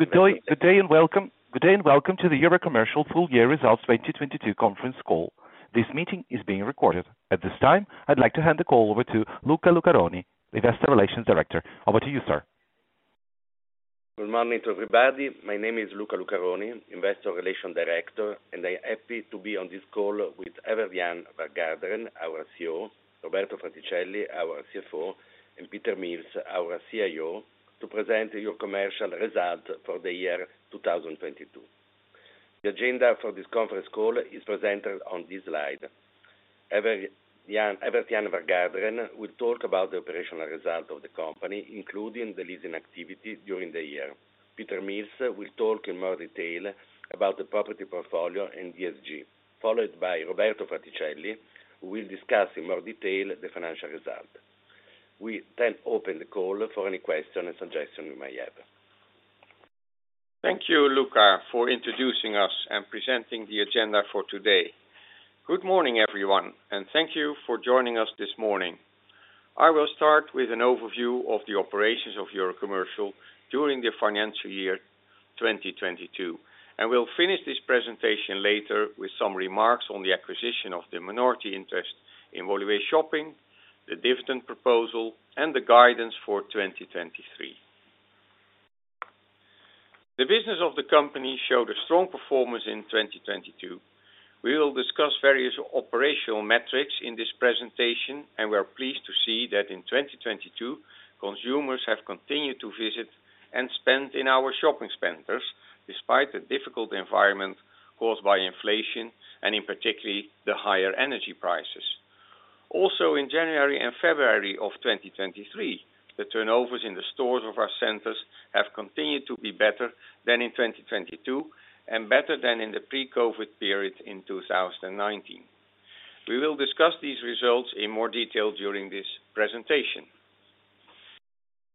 Good day, good day and welcome. Good day and welcome to the Eurocommercial Full-Year Results 2022 Conference Call. This meeting is being recorded. At this time, I'd like to hand the call over to Luca Lucaroni, Investor Relations Director. Over to you, sir. Good morning to everybody. My name is Luca Lucaroni, Investor Relations Director, and I'm happy to be on this call with Evert Jan van Garderen, our CEO, Roberto Fraticelli, our CFO, and Peter Mills, our CIO, to present Eurocommercial results for the year 2022. The agenda for this conference call is presented on this slide. Evert Jan van Garderen will talk about the operational result of the company, including the leasing activity during the year. Peter Mills will talk in more detail about the property portfolio and ESG, followed by Roberto Fraticelli, who will discuss in more detail the financial result. We open the call for any question and suggestion you may have. Thank you, Luca, for introducing us and presenting the agenda for today. Good morning, everyone, and thank you for joining us this morning. I will start with an overview of the operations of Eurocommercial during the financial year 2022. We'll finish this presentation later with some remarks on the acquisition of the minority interest in Woluwe Shopping, the dividend proposal, and the guidance for 2023. The business of the company showed a strong performance in 2022. We will discuss various operational metrics in this presentation, and we are pleased to see that in 2022, consumers have continued to visit and spend in our shopping centers despite the difficult environment caused by inflation and in particularly the higher energy prices. In January and February of 2023, the turnovers in the stores of our centers have continued to be better than in 2022 and better than in the pre-COVID period in 2019. We will discuss these results in more detail during this presentation.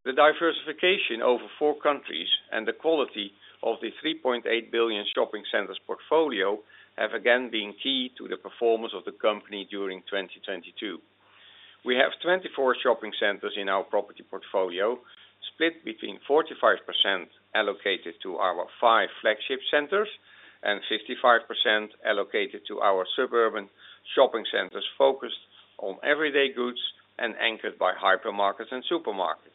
The diversification over four countries and the quality of the 3.8 billion shopping centers portfolio have again been key to the performance of the company during 2022. We have 24 shopping centers in our property portfolio, split between 45% allocated to our five flagship centers and 55% allocated to our suburban shopping centers focused on everyday goods and anchored by hypermarkets and supermarkets.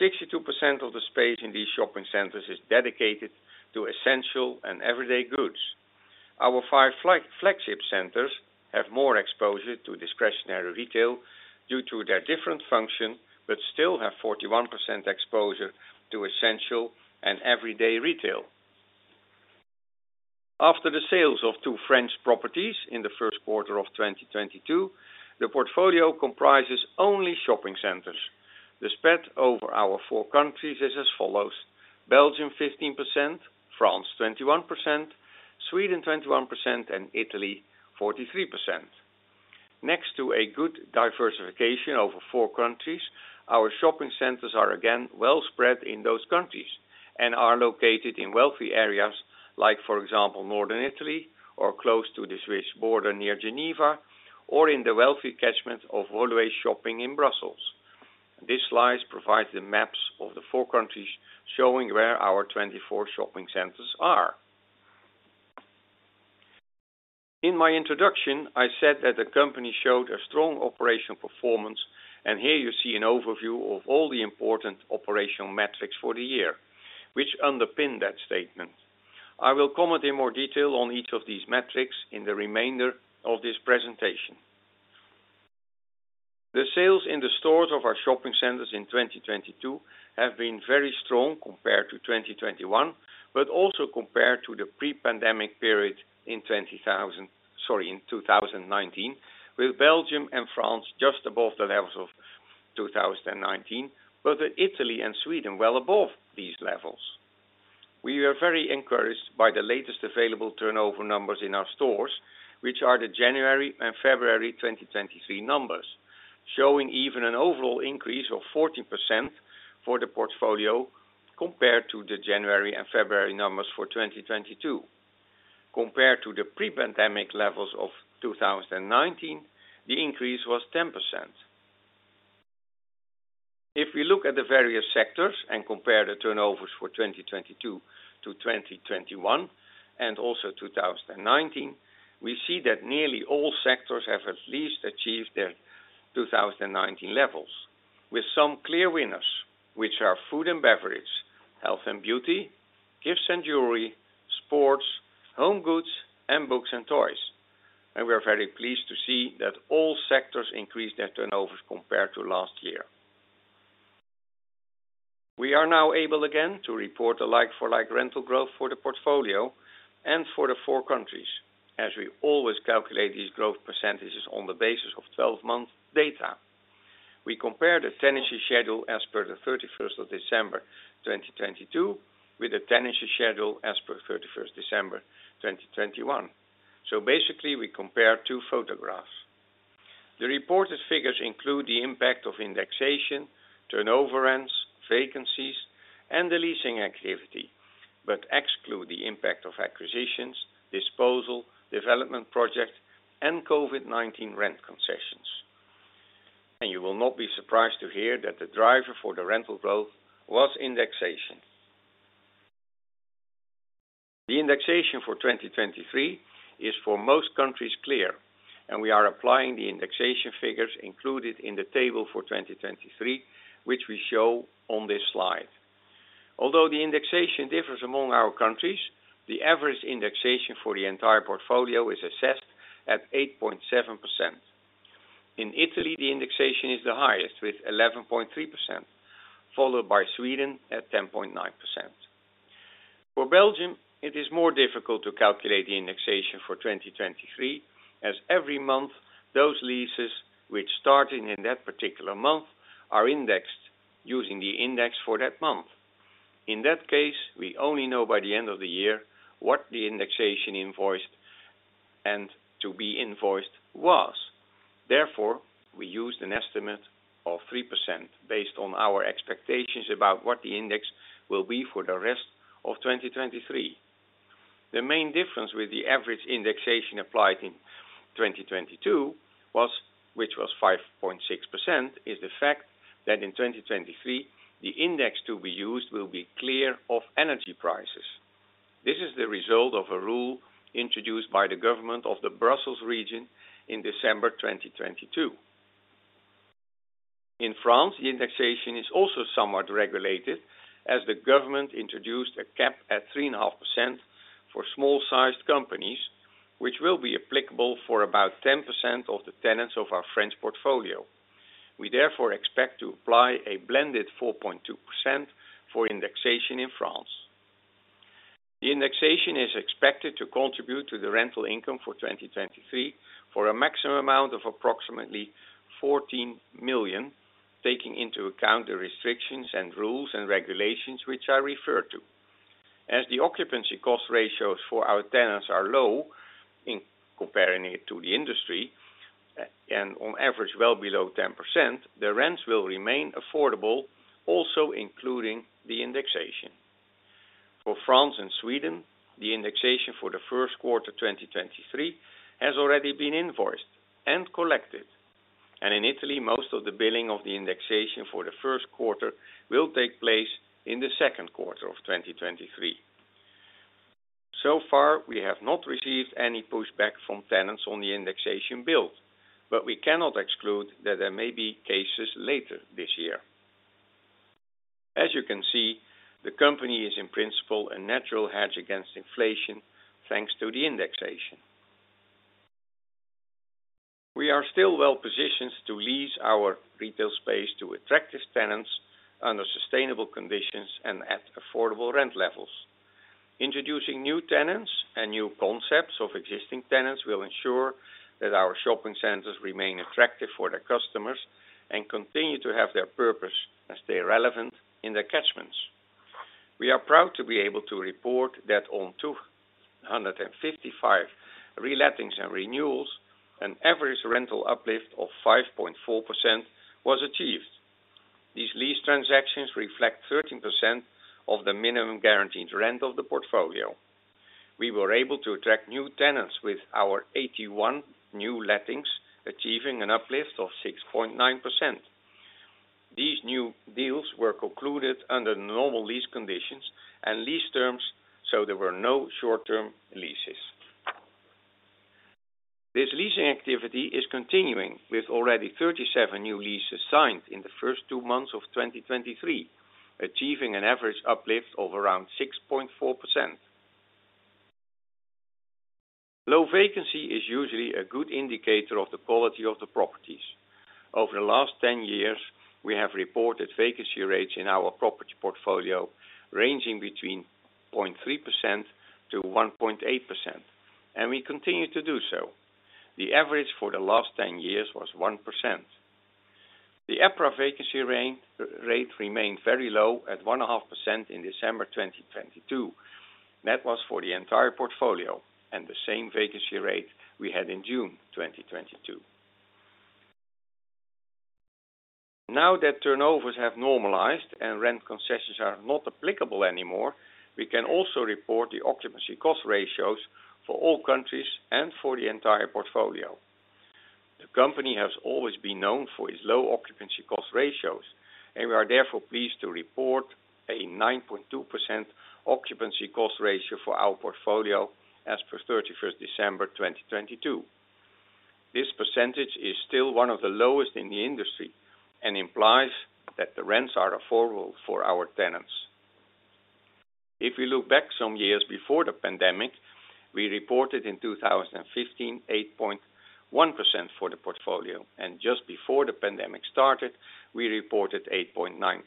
62% of the space in these shopping centers is dedicated to essential and everyday goods. Our five flagship centers have more exposure to discretionary retail due to their different function, still have 41% exposure to essential and everyday retail. After the sales of two French properties in the first quarter of 2022, the portfolio comprises only shopping centers. The spread over our four countries is as follows: Belgium 15%, France 21%, Sweden 21%, and Italy 43%. Next to a good diversification over four countries, our shopping centers are again well spread in those countries and are located in wealthy areas like, for example, northern Italy or close to the Swiss border near Geneva or in the wealthy catchment of Woluwe Shopping in Brussels. This slide provides the maps of the four countries showing where our 24 shopping centers are. In my introduction, I said that the company showed a strong operational performance, and here you see an overview of all the important operational metrics for the year which underpin that statement. I will comment in more detail on each of these metrics in the remainder of this presentation. The sales in the stores of our shopping centers in 2022 have been very strong compared to 2021, but also compared to the pre-pandemic period in 2019, with Belgium and France just above the levels of 2019, but Italy and Sweden well above these levels. We are very encouraged by the latest available turnover numbers in our stores, which are the January and February 2023 numbers, showing even an overall increase of 14% for the portfolio compared to the January and February numbers for 2022. Compared to the pre-pandemic levels of 2019, the increase was 10%. If we look at the various sectors and compare the turnovers for 2022 to 2021 and also 2019, we see that nearly all sectors have at least achieved their 2019 levels, with some clear winners, which are food and beverage, health and beauty, gifts and jewelry, sports, home goods, and books and toys. We are very pleased to see that all sectors increased their turnovers compared to last year. We are now able again to report a like-for-like rental growth for the portfolio and for the four countries, as we always calculate these growth percentages on the basis of 12-month data. We compare the tenancy schedule as per the December 31st, 2022 with the tenancy schedule as per December 31st, 2021. We compare two photographs. The reported figures include the impact of indexation, turnover rents, vacancies, and the leasing activity, but exclude the impact of acquisitions, disposal, development projects, and COVID-19 rent concessions. You will not be surprised to hear that the driver for the rental growth was indexation. The indexation for 2023 is for most countries clear, and we are applying the indexation figures included in the table for 2023, which we show on this slide. Although the indexation differs among our countries, the average indexation for the entire portfolio is assessed at 8.7%. In Italy, the indexation is the highest with 11.3%, followed by Sweden at 10.9%. For Belgium, it is more difficult to calculate the indexation for 2023 as every month those leases which started in that particular month are indexed using the index for that month. In that case, we only know by the end of the year what the indexation invoiced and to be invoiced was. We used an estimate of 3% based on our expectations about what the index will be for the rest of 2023. The main difference with the average indexation applied in 2022 was, which was 5.6%, is the fact that in 2023 the index to be used will be clear of energy prices. This is the result of a rule introduced by the government of the Brussels region in December 2022. In France, the indexation is also somewhat regulated as the government introduced a cap at 3.5% for small-sized companies which will be applicable for about 10% of the tenants of our French portfolio. We therefore expect to apply a blended 4.2% for indexation in France. The indexation is expected to contribute to the rental income for 2023 for a maximum amount of approximately 14 million, taking into account the restrictions and rules and regulations which I referred to. As the occupancy cost ratios for our tenants are low in comparing it to the industry and on average well below 10%, the rents will remain affordable also including the indexation. For France and Sweden, the indexation for the first quarter 2023 has already been invoiced and collected. In Italy, most of the billing of the indexation for the 1st quarter will take place in the 2nd quarter of 2023. So far, we have not received any pushback from tenants on the indexation bill, but we cannot exclude that there may be cases later this year. As you can see, the company is in principle a natural hedge against inflation thanks to the indexation. We are still well-positioned to lease our retail space to attractive tenants under sustainable conditions and at affordable rent levels. Introducing new tenants and new concepts of existing tenants will ensure that our shopping centers remain attractive for their customers and continue to have their purpose and stay relevant in their catchments. We are proud to be able to report that on 255 relettings and renewals, an average rental uplift of 5.4% was achieved. These lease transactions reflect 13% of the Minimum Guaranteed Rent of the portfolio. We were able to attract new tenants with our 81 new lettings achieving an uplift of 6.9%. These new deals were concluded under normal lease conditions and lease terms, so there were no short-term leases. This leasing activity is continuing with already 37 new leases signed in the first two months of 2023, achieving an average uplift of around 6.4%. Low vacancy is usually a good indicator of the quality of the properties. Over the last 10 years, we have reported vacancy rates in our property portfolio ranging between 0.3% to 1.8%, and we continue to do so. The average for the last 10 years was 1%. The EPRA vacancy rate remained very low at 1.5% in December 2022. That was for the entire portfolio and the same vacancy rate we had in June 2022. Now that turnovers have normalized and rent concessions are not applicable anymore, we can also report the occupancy cost ratios for all countries and for the entire portfolio. The company has always been known for its low occupancy cost ratios, and we are therefore pleased to report a 9.2% occupancy cost ratio for our portfolio as per 31st December 2022. This percentage is still one of the lowest in the industry and implies that the rents are affordable for our tenants. If we look back some years before the pandemic, we reported in 2015 8.1% for the portfolio, just before the pandemic started, we reported 8.9%.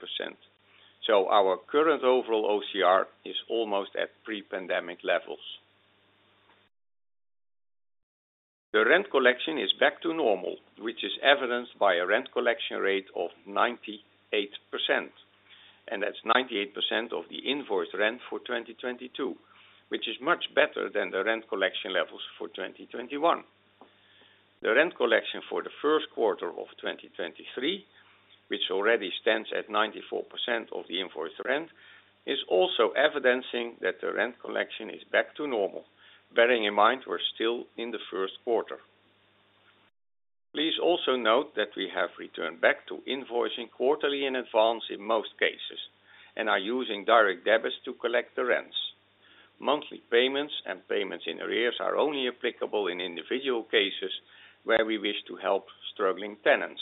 Our current overall OCR is almost at pre-pandemic levels. The rent collection is back to normal, which is evidenced by a rent collection rate of 98%. That's 98% of the invoice rent for 2022, which is much better than the rent collection levels for 2021. The rent collection for the first quarter of 2023, which already stands at 94% of the invoiced rent, is also evidencing that the rent collection is back to normal, bearing in mind we're still in the first quarter. Please also note that we have returned back to invoicing quarterly in advance in most cases, and are using direct debits to collect the rents. Monthly payments and payments in arrears are only applicable in individual cases where we wish to help struggling tenants.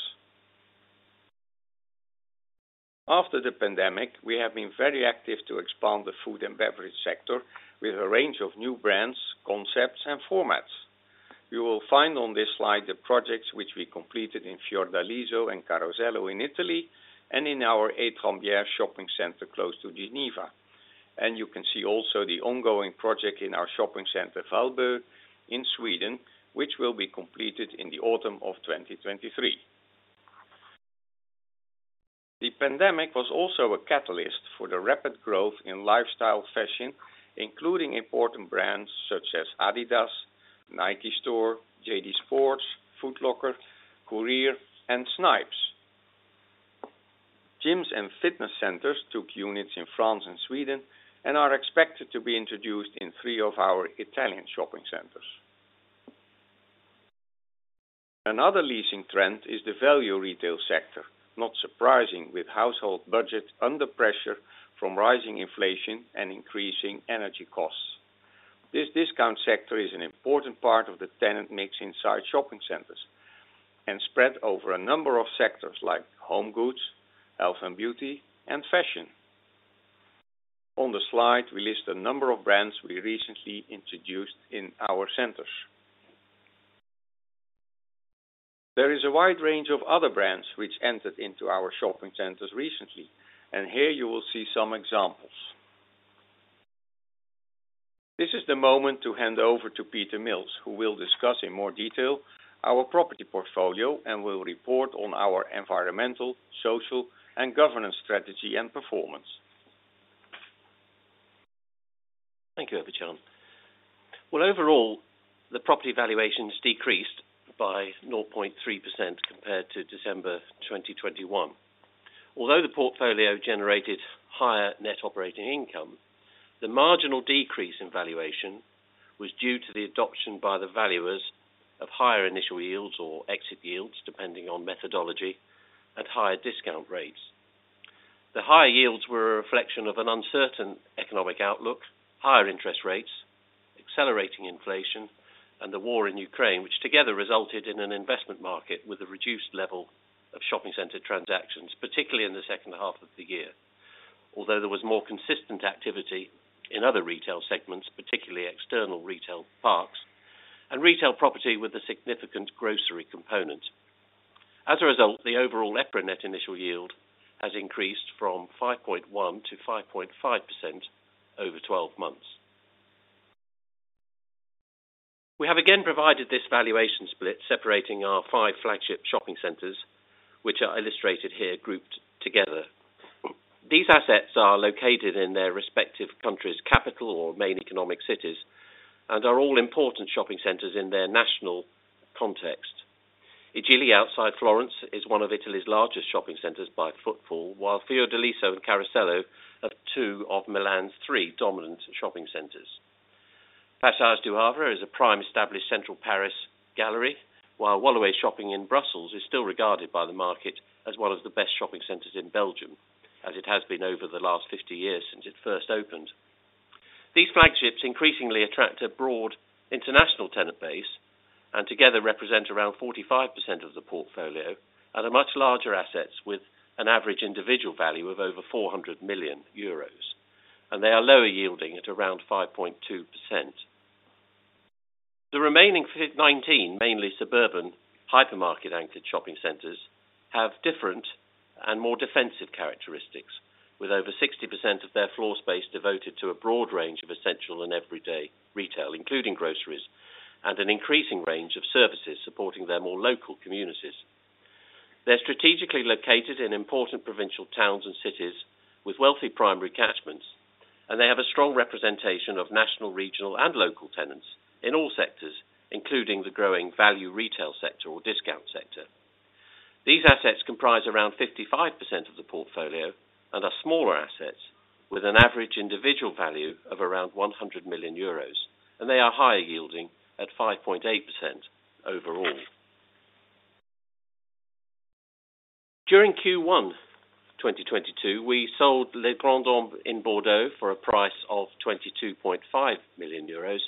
After the pandemic, we have been very active to expand the food and beverage sector with a range of new brands, concepts, and formats. You will find on this slide the projects which we completed in Fiordaliso and Carosello in Italy and in our Shopping Etrembières shopping center close to Geneva. You can see also the ongoing project in our shopping center Valbo in Sweden, which will be completed in the autumn of 2023. The pandemic was also a catalyst for the rapid growth in lifestyle fashion, including important brands such as adidas, Nike Store, JD Sports, Foot Locker, Courir, and Snipes. Gyms and fitness centers took units in France and Sweden and are expected to be introduced in three of our Italian shopping centers. Another leasing trend is the value retail sector, not surprising with household budget under pressure from rising inflation and increasing energy costs. This discount sector is an important part of the tenant mix inside shopping centers, and spread over a number of sectors like home goods, health and beauty, and fashion. On the slide, we list a number of brands we recently introduced in our centers. There is a wide range of other brands which entered into our shopping centers recently, and here you will see some examples. This is the moment to hand over to Peter Mills, who will discuss in more detail our property portfolio and will report on our environmental, social, and governance strategy and performance. Thank you, Evert Jan. Well, overall, the property valuations decreased by 0.3% compared to December 2021. Although the portfolio generated higher net operating income, the marginal decrease in valuation was due to the adoption by the valuers of higher initial yields or exit yield, depending on methodology and higher discount rates. The higher yields were a reflection of an uncertain economic outlook, higher interest rates, accelerating inflation, and the war in Ukraine, which together resulted in an investment market with a reduced level of shopping center transactions, particularly in the second half of the year. Although there was more consistent activity in other retail segments, particularly external retail parks and retail property with a significant grocery component. As a result, the overall EPRA Net Initial Yield has increased from 5.1%-5.5% over 12 months. We have again provided this valuation split, separating our five flagship shopping centers, which are illustrated here grouped together. These assets are located in their respective countries' capital or main economic cities and are all important shopping centers in their national context. I Gigli outside Florence is one of Italy's largest shopping centers by footfall, while Fiordaliso and Carosello are two of Milan's three dominant shopping centers. Passages du Havre is a prime established central Paris gallery, while Woluwe Shopping in Brussels is still regarded by the market as one of the best shopping centers in Belgium as it has been over the last 50 years since it first opened. These flagships increasingly attract a broad international tenant base, and together represent around 45% of the portfolio at a much larger assets with an average individual value of over 400 million euros. They are lower yielding at around 5.2%. The remaining 19, mainly suburban hypermarket-anchored shopping centers, have different and more defensive characteristics with over 60% of their floor space devoted to a broad range of essential and everyday retail, including groceries and an increasing range of services supporting their more local communities. They're strategically located in important provincial towns and cities with wealthy primary catchments, and they have a strong representation of national, regional, and local tenants in all sectors, including the growing value retail sector or discount sector. These assets comprise around 55% of the portfolio and are smaller assets with an average individual value of around 100 million euros. They are higher yielding at 5.8% overall. During Q1 2022, we sold Les Grands Hommes in Bordeaux for a price of 22.5 million euros,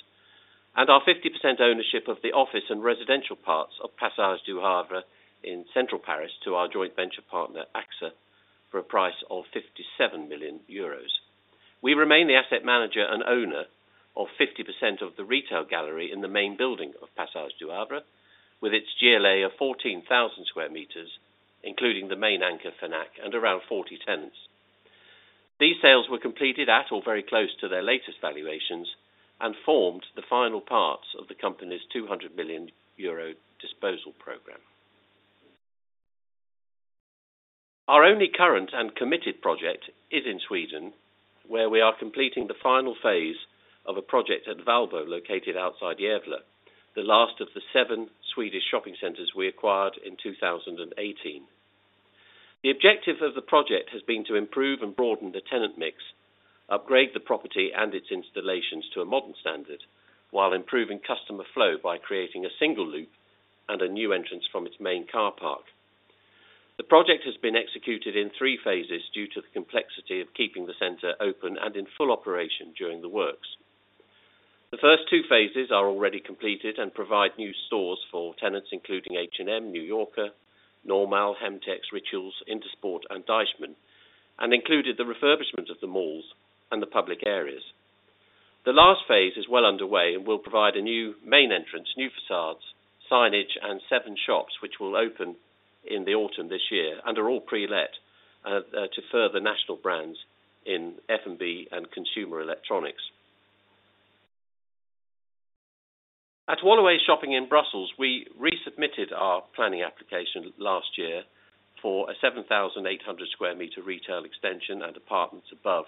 and our 50% ownership of the office and residential parts of Passages du Havre in central Paris to our joint venture partner, AXA, for a price of 57 million euros. We remain the asset manager and owner of 50% of the retail gallery in the main building of Passages du Havre, with its GLA of 14,000 sqm, including the main anchor, Fnac, and around 40 tenants. These sales were completed at or very close to their latest valuations and formed the final parts of the company's 200 million euro disposal program. Our only current and committed project is in Sweden, where we are completing the final phase of a project at Valbo, located outside Gävle, the last of the seven Swedish shopping centers we acquired in 2018. The objective of the project has been to improve and broaden the tenant mix, upgrade the property and its installations to a modern standard, while improving customer flow by creating a single loop and a new entrance from its main car park. The project has been executed in three phases due to the complexity of keeping the center open and in full operation during the works. The first two phases are already completed and provide new stores for tenants including H&M, New Yorker, NORMAL, Hemtex, Rituals, INTERSPORT, and Deichmann, and included the refurbishment of the malls and the public areas. The last phase is well underway and will provide a new main entrance, new facades, signage, and seven shops, which will open in the autumn this year and are all pre-let to further national brands in F&B and consumer electronics. At Woluwe Shopping in Brussels, we resubmitted our planning application last year for a 7,800 square meter retail extension and apartments above,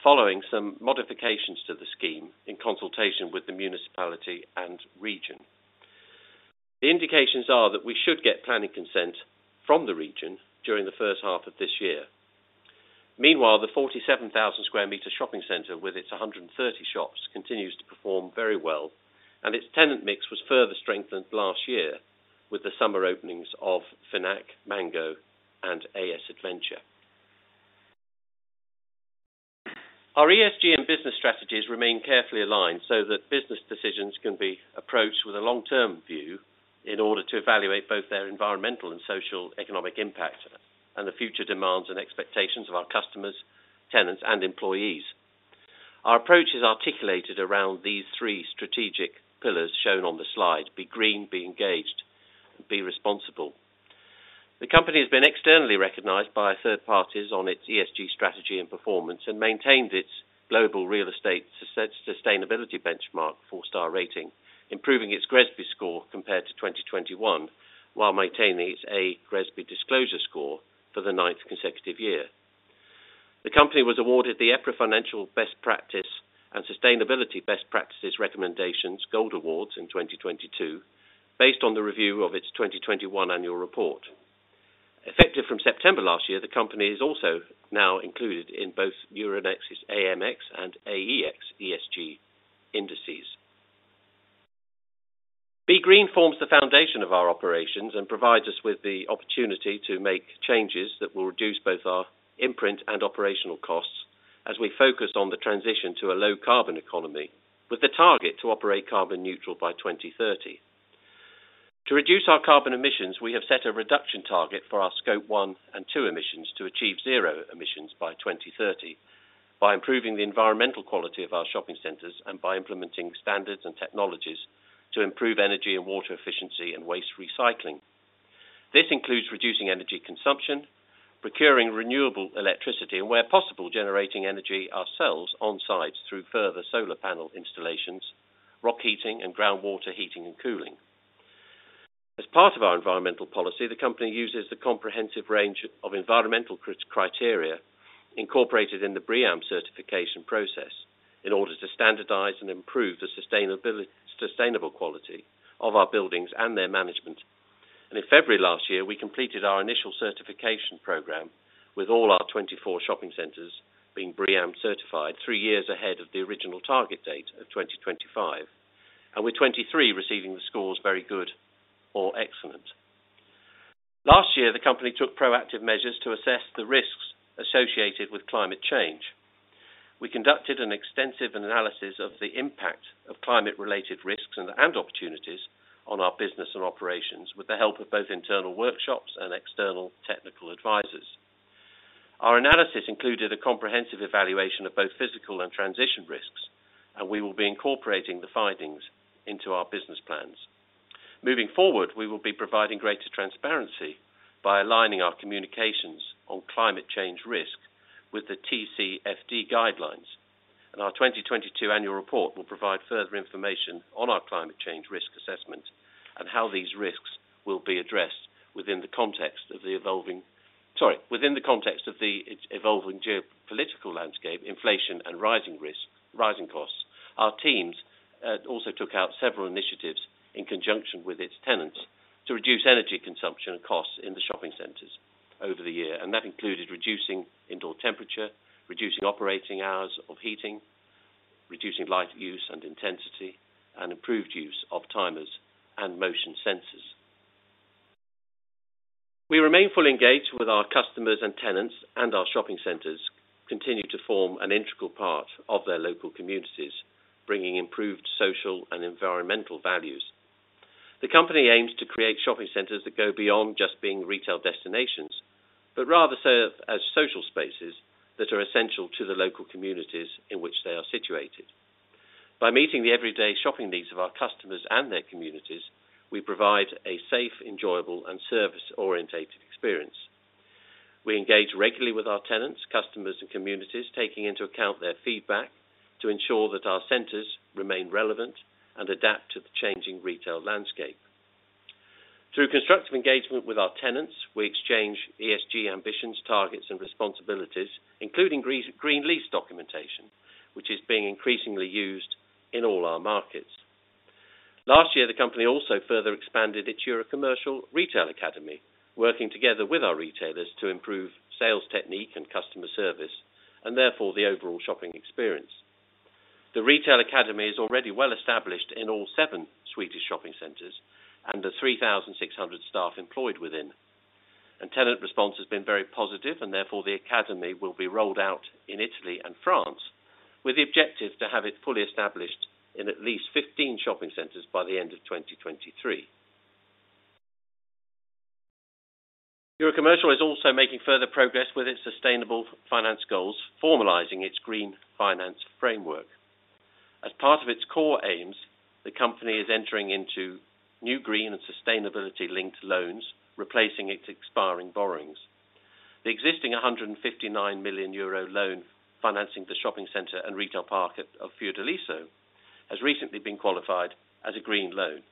following some modifications to the scheme in consultation with the municipality and region. The indications are that we should get planning consent from the region during the first half of this year. Meanwhile, the 47,000 square meter shopping center with its 130 shops continues to perform very well, and its tenant mix was further strengthened last year with the summer openings of Fnac, Mango, and A.S.Adventure. Our ESG and business strategies remain carefully aligned so that business decisions can be approached with a long-term view in order to evaluate both their environmental and social economic impact and the future demands and expectations of our customers, tenants, and employees. Our approach is articulated around these three strategic pillars shown on the slide, Be Green, Be Engaged, Be Responsible. The company has been externally recognized by third parties on its ESG strategy and performance, and maintained its global real estate sustainability benchmark four-star rating, improving its GRESB score compared to 2021, while maintaining its A GRESB disclosure score for the ninth consecutive year. The company was awarded the EPRA Financial Best Practice and Sustainability Best Practices Recommendations Gold Awards in 2022 based on the review of its 2021 annual report. Effective from September last year, the company is also now included in both Euronext's AMX and AEX ESG indices. Be Green forms the foundation of our operations and provides us with the opportunity to make changes that will reduce both our imprint and operational costs as we focus on the transition to a low carbon economy with the target to operate carbon neutral by 2030. To reduce our carbon emissions, we have set a reduction target for our Scope 1 and two emissions to achieve zero emissions by 2030 by improving the environmental quality of our shopping centers and by implementing standards and technologies to improve energy and water efficiency and waste recycling. This includes reducing energy consumption, procuring renewable electricity, and where possible, generating energy ourselves on-site through further solar panel installations, rock heating, and groundwater heating and cooling. As part of our environmental policy, the company uses a comprehensive range of environmental criteria incorporated in the BREEAM certification process in order to standardize and improve the sustainable quality of our buildings and their management. In February last year, we completed our initial certification program with all our 24 shopping centers being BREEAM certified three years ahead of the original target date of 2025, and with 23 receiving the scores very good or excellent. Last year, the company took proactive measures to assess the risks associated with climate change. We conducted an extensive analysis of the impact of climate-related risks and opportunities on our business and operations with the help of both internal workshops and external technical advisors. Our analysis included a comprehensive evaluation of both physical and transition risks, and we will be incorporating the findings into our business plans. Moving forward, we will be providing greater transparency by aligning our communications on climate change risk with the TCFD guidelines. Our 2022 annual report will provide further information on our climate change risk assessment and how these risks will be addressed within the context of the evolving geopolitical landscape, inflation and rising costs. Our teams also took out several initiatives in conjunction with its tenants to reduce energy consumption costs in the shopping centers over the year. That included reducing indoor temperature, reducing operating hours of heating, reducing light use and intensity, and improved use of timers and motion sensors. We remain fully engaged with our customers and tenants, and our shopping centers continue to form an integral part of their local communities, bringing improved social and environmental values. The company aims to create shopping centers that go beyond just being retail destinations, but rather serve as social spaces that are essential to the local communities in which they are situated. By meeting the everyday shopping needs of our customers and their communities, we provide a safe, enjoyable, and service-orientated experience. We engage regularly with our tenants, customers, and communities, taking into account their feedback to ensure that our centers remain relevant and adapt to the changing retail landscape. Through constructive engagement with our tenants, we exchange ESG ambitions, targets, and responsibilities, including green lease documentation, which is being increasingly used in all our markets. Last year, the company also further expanded its Eurocommercial Retail Academy, working together with our retailers to improve sales technique and customer service, and therefore the overall shopping experience. The Retail Academy is already well established in all seven Swedish shopping centers and the 3,600 staff employed within. Tenant response has been very positive, and therefore the academy will be rolled out in Italy and France with the objective to have it fully established in at least 15 shopping centers by the end of 2023. Eurocommercial is also making further progress with its sustainable finance goals, formalizing its green finance framework. As part of its core aims, the company is entering into new green and sustainability-linked loans, replacing its expiring borrowings. The existing 159 million euro loan financing the shopping center and retail park of Fiordaliso has recently been qualified as a green loan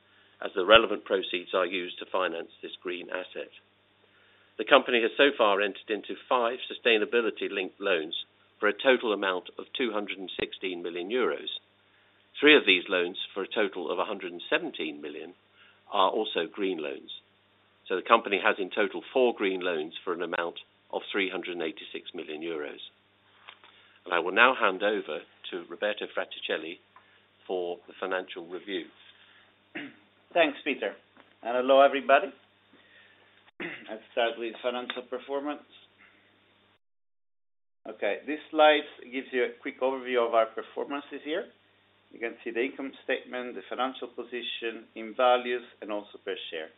as the relevant proceeds are used to finance this green asset. The company has so far entered into five sustainability-linked loans for a total amount of 216 million euros. Three of these loans, for a total of 117 million, are also green loans. The company has in total four green loans for an amount of 386 million euros. I will now hand over to Roberto Fraticelli for the financial review. Thanks, Peter. Hello, everybody. Let's start with financial performance. This slide gives you a quick overview of our performances here. You can see the income statement, the financial position in values and also per share.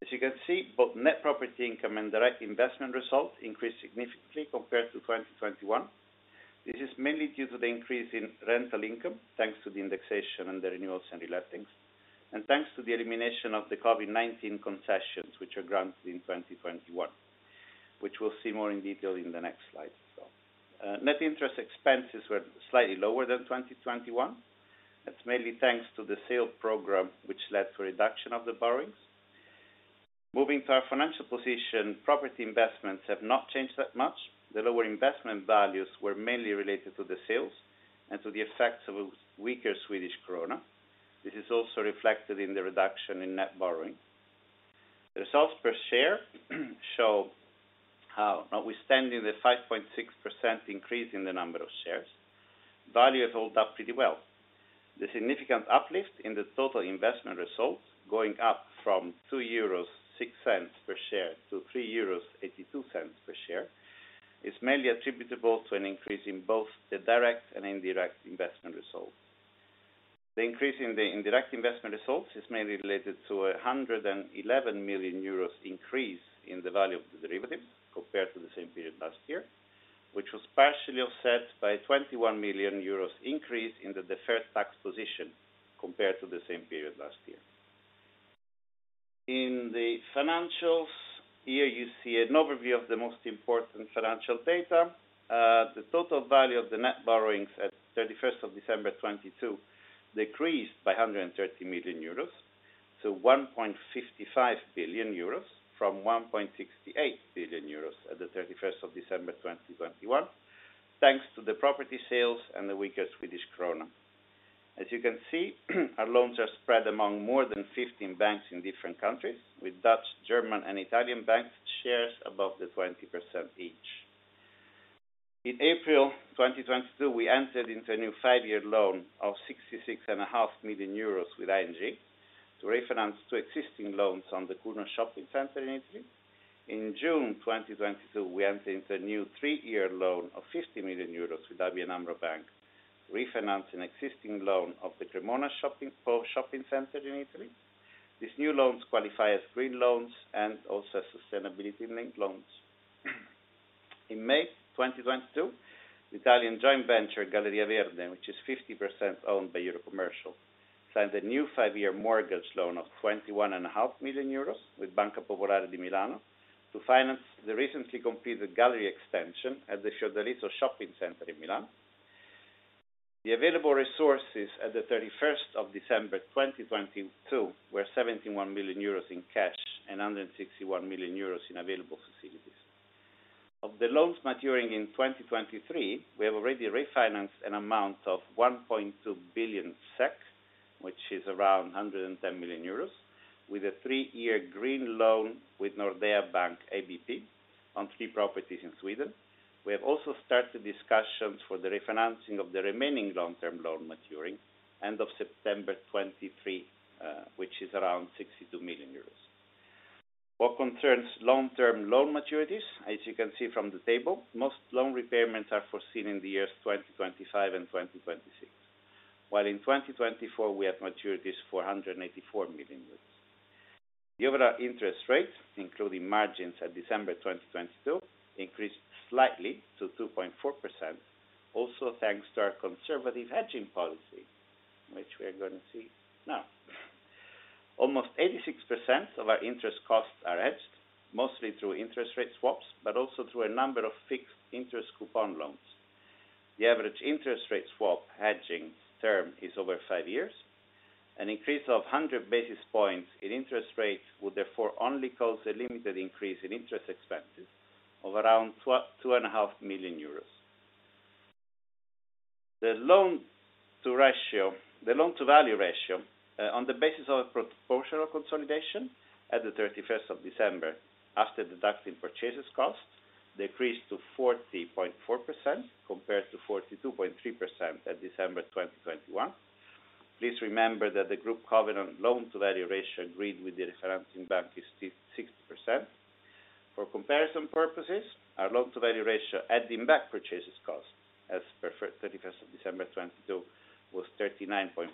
As you can see, both net property income and direct investment result increased significantly compared to 2021. This is mainly due to the increase in rental income, thanks to the indexation and the renewals and relettings, and thanks to the elimination of the COVID-19 concessions which were granted in 2021, which we'll see more in detail in the next slide. Net interest expenses were slightly lower than 2021. That's mainly thanks to the sale program, which led to a reduction of the borrowings. Moving to our financial position, property investments have not changed that much. The lower investment values were mainly related to the sales and to the effects of a weaker Swedish krona. This is also reflected in the reduction in net borrowings. The results per share show how notwithstanding the 5.6% increase in the number of shares, value has held up pretty well. The significant uplift in the total investment results, going up from 2.06 euros per share to 3.82 euros per share is mainly attributable to an increase in both the direct investment result and indirect investment result. The increase in the indirect investment result is mainly related to a 111 million euros increase in the value of the derivatives, compared to the same period last year, which was partially offset by 21 million euros increase in the deferred tax position compared to the same period last year. In the financials, here you see an overview of the most important financial data. The total value of the net borrowings at 31st of December 2022 decreased by 130 million euros to 1.55 billion euros from 1.68 billion euros at the 31st of December 2021, thanks to the property sales and the weaker Swedish krona. As you can see, our loans are spread among more than 15 banks in different countries, with Dutch, German, and Italian banks shares above 20% each. In April 2022, we entered into a new 5-year loan of sixty-six and a half million euros with ING to refinance two existing loans on the Curno shopping center in Italy. In June 2022, we entered into a new three-year loan of 50 million euros with ABN AMRO Bank, refinancing existing loan of the Cremona shopping center in Italy. These new loans qualify as green loans and also sustainability-linked loans. In May 2022, the Italian joint venture, Galleria Verde, which is 50% owned by Eurocommercial, signed a new five-year mortgage loan of 21.5 million euros with Banca Popolare di Milano to finance the recently completed gallery extension at the Fiordaliso shopping center in Milan. The available resources at the 31st of December 2022 were 71 million euros in cash and 161 million euros in available facilities. Of the loans maturing in 2023, we have already refinanced an amount of 1.2 billion SEK, which is around 110 million euros with a three-year green loan with Nordea Bank Abp on three properties in Sweden. We have also started discussions for the refinancing of the remaining long-term loan maturing end of September 2023, which is around 62 million euros. What concerns long-term loan maturities, as you can see from the table, most loan repayments are foreseen in the years 2025 and 2026. In 2024, we have maturities 484 million. The overall interest rates, including margins at December 2022, increased slightly to 2.4%, also thanks to our conservative hedging policy, which we are gonna see now. Almost 86% of our interest costs are hedged, mostly through interest rate swaps, but also through a number of fixed interest coupon loans. The average interest rate swap hedging term is over five years. An increase of 100 basis points in interest rates would therefore only cause a limited increase in interest expenses of around two and a half million euros. The Loan-to-Value ratio, on the basis of proportional consolidation at the 31st of December, after deducting purchases costs, decreased to 40.4% compared to 42.3% at December 2021. Please remember that the group covenant Loan-to-Value ratio agreed with the reference bank is 60%. For comparison purposes, our Loan-to-Value ratio adding back purchases costs as per 31st of December 2022 was 39.4%,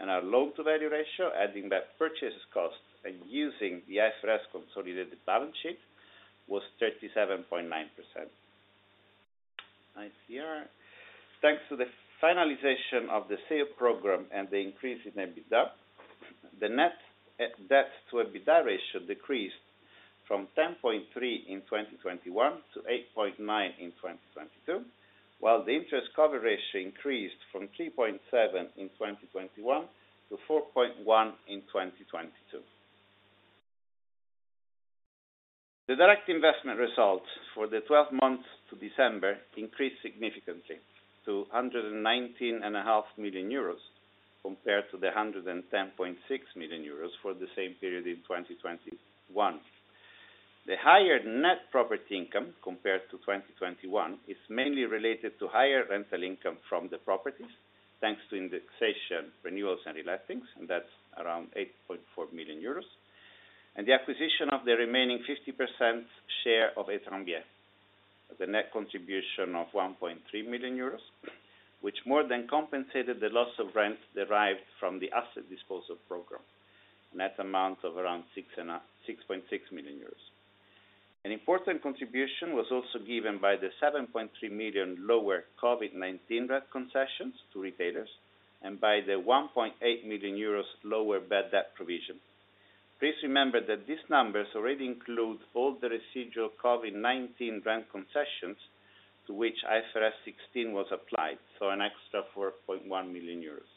and our Loan-to-Value ratio, adding back purchases cost and using the IFRS consolidated balance sheet was 37.9%. ITR. Thanks to the finalization of the sale program and the increase in EBITDA, the Net debt-to-EBITDA ratio decreased from 10.3 in 2021 to 8.9 in 2022. While the Interest Coverage Ratio increased from 3.7 in 2021 to 4.1 in 2022. The direct investment result for the 12 months to December increased significantly to 119 and a half million, compared to 110.6 million euros for the same period in 2021. The higher net property income compared to 2021 is mainly related to higher rental income from the properties, thanks to indexation renewals and relettings, and that's around 8.4 million euros. The acquisition of the remaining 50% share of Etrembières. The net contribution of 1.3 million euros, which more than compensated the loss of rent derived from the asset disposal program. Net amount of around 6.6 million euros. An important contribution was also given by the 7.3 million lower COVID-19 rent concessions to retailers and by the 1.8 million euros lower bad debt provision. Please remember that these numbers already include all the residual COVID-19 rent concessions to which IFRS 16 was applied, an extra 4.1 million euros.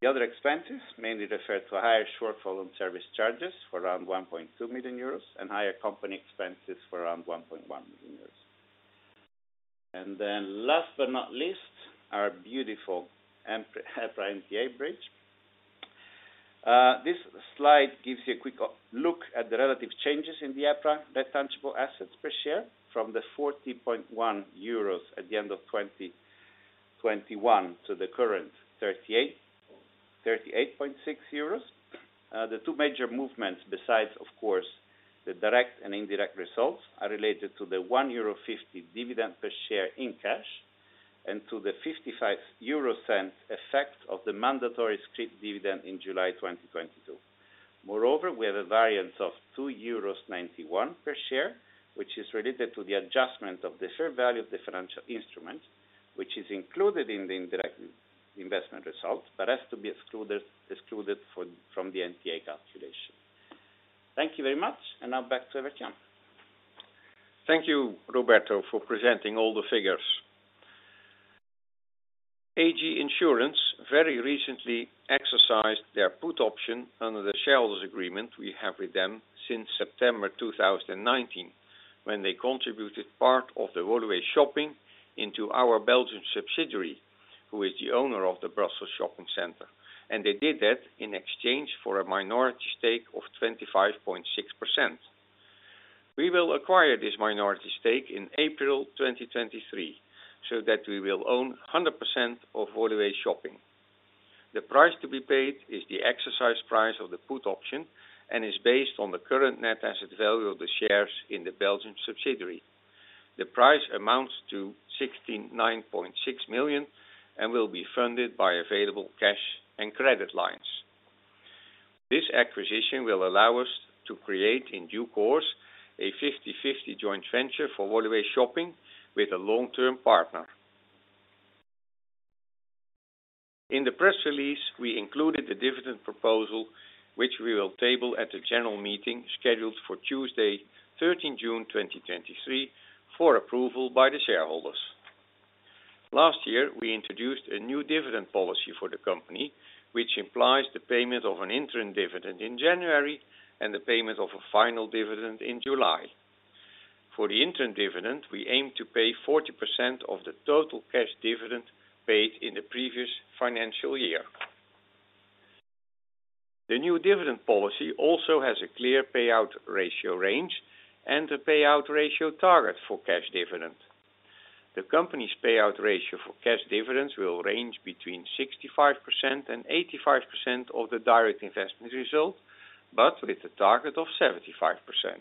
The other expenses mainly refer to a higher shortfall on service charges for around 1.2 million euros and higher company expenses for around 1.1 million euros. Last but not least, our beautiful EPRA NTA bridge. This slide gives you a quick look at the relative changes in the EPRA Net Tangible Assets per share from the 40.1 euros at the end of 2021 to the current 38.6 euros. The two major movements, besides of course, the direct and indirect results, are related to the 1.50 euro dividend per share in cash and to the 0.55 effect of the mandatory scrip dividend in July 2022. Moreover, we have a variance of 2.91 euros per share, which is related to the adjustment of the fair value of the financial instrument, which is included in the indirect investment result, but has to be excluded from the NTA calculation. Thank you very much. Now back to Evert Jan. Thank you, Roberto, for presenting all the figures. AG Insurance very recently exercised their put option under the shareholders agreement we have with them since September 2019, when they contributed part of the Woluwe Shopping into our Belgian subsidiary, who is the owner of the Brussels Shopping Center, and they did that in exchange for a minority stake of 25.6%. We will acquire this minority stake in April 2023, so that we will own 100% of Woluwe Shopping. The price to be paid is the exercise price of the put option and is based on the current net asset value of the shares in the Belgian subsidiary. The price amounts to 69.6 million and will be funded by available cash and credit lines. This acquisition will allow us to create, in due course, a 50/50 joint venture for Woluwe Shopping with a long-term partner. In the press release, we included the dividend proposal, which we will table at a general meeting scheduled for Tuesday, June 13th, 2023, for approval by the shareholders. Last year, we introduced a new dividend policy for the company, which implies the payment of an interim dividend in January and the payment of a final dividend in July. For the interim dividend, we aim to pay 40% of the total cash dividend paid in the previous financial year. The new dividend policy also has a clear payout ratio range and a payout ratio target for cash dividend. The company's payout ratio for cash dividends will range between 65% and 85% of the direct investment result, but with a target of 75%.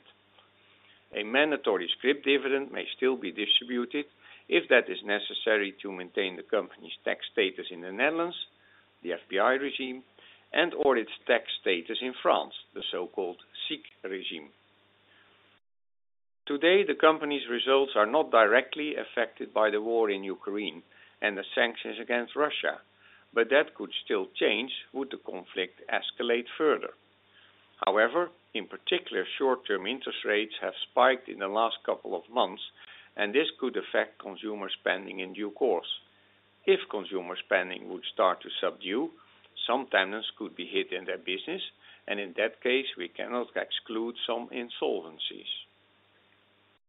A mandatory scrip dividend may still be distributed if that is necessary to maintain the company's tax status in the Netherlands, the FBI regime, and/or its tax status in France, the so-called SIIC regime. Today, the company's results are not directly affected by the war in Ukraine and the sanctions against Russia, but that could still change would the conflict escalate further. In particular, short term interest rates have spiked in the last couple of months and this could affect consumer spending in due course. If consumer spending would start to subdue, some tenants could be hit in their business and in that case, we cannot exclude some insolvencies.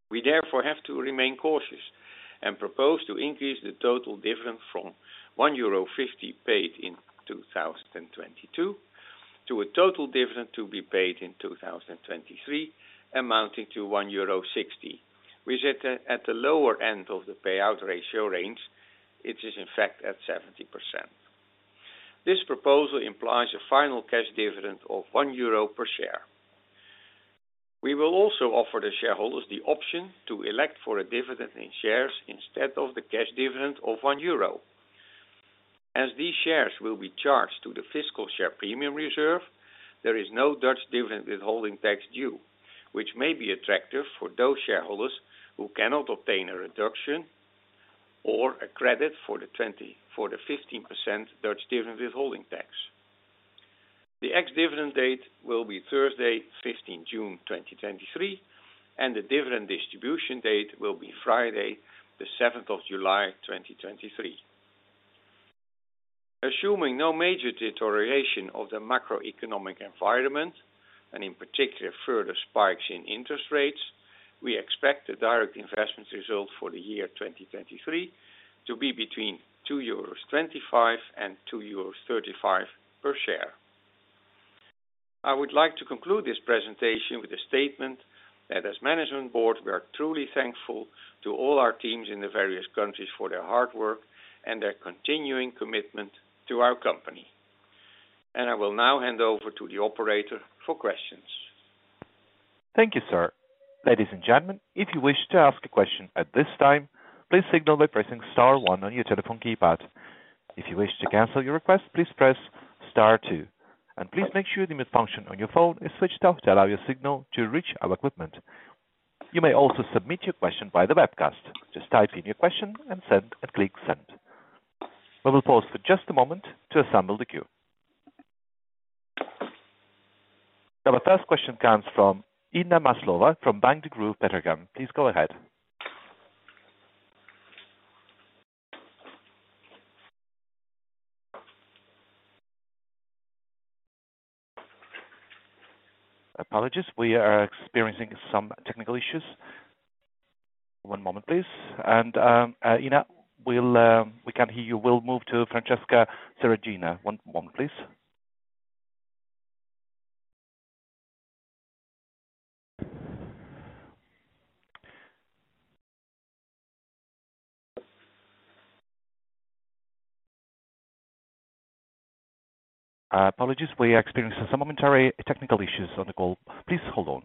We therefore have to remain cautious and propose to increase the total dividend from 1.50 euro paid in 2022 to a total dividend to be paid in 2023 amounting to 1.60 euro. We sit at the lower end of the payout ratio range, which is in fact at 70%. This proposal implies a final cash dividend of 1 euro per share. We will also offer the shareholders the option to elect for a dividend in shares instead of the cash dividend of 1 euro. As these shares will be charged to the fiscal share premium reserve, there is no Dutch dividend withholding tax due, which may be attractive for those shareholders who cannot obtain a reduction or a credit for the 15% Dutch dividend withholding tax. The ex-dividend date will be Thursday, 15th June 2023, and the dividend distribution date will be Friday the 7th of July 2023. Assuming no major deterioration of the macroeconomic environment and in particular further spikes in interest rates, we expect the direct investment result for the year 2023 to be between 2.25 euros and 2.35 euros per share. I would like to conclude this presentation with a statement that as management board, we are truly thankful to all our teams in the various countries for their hard work and their continuing commitment to our company. I will now hand over to the operator for questions. Thank you, sir. Ladies and gentlemen, if you wish to ask a question at this time, please signal by pressing star one on your telephone keypad. If you wish to cancel your request, please press star two. Please make sure the mute function on your phone is switched off to allow your signal to reach our equipment. You may also submit your question via the webcast. Just type in your question and send and click send. We will pause for just a moment to assemble the queue. Our first question comes from Inna Maslova from Bank Degroof Petercam. Please go ahead. Apologies, we are experiencing some technical issues. One moment, please. Inna, we can't hear you. We'll move to Francesca Ferragina. One moment, please. Apologies. We are experiencing some momentary technical issues on the call. Please hold on.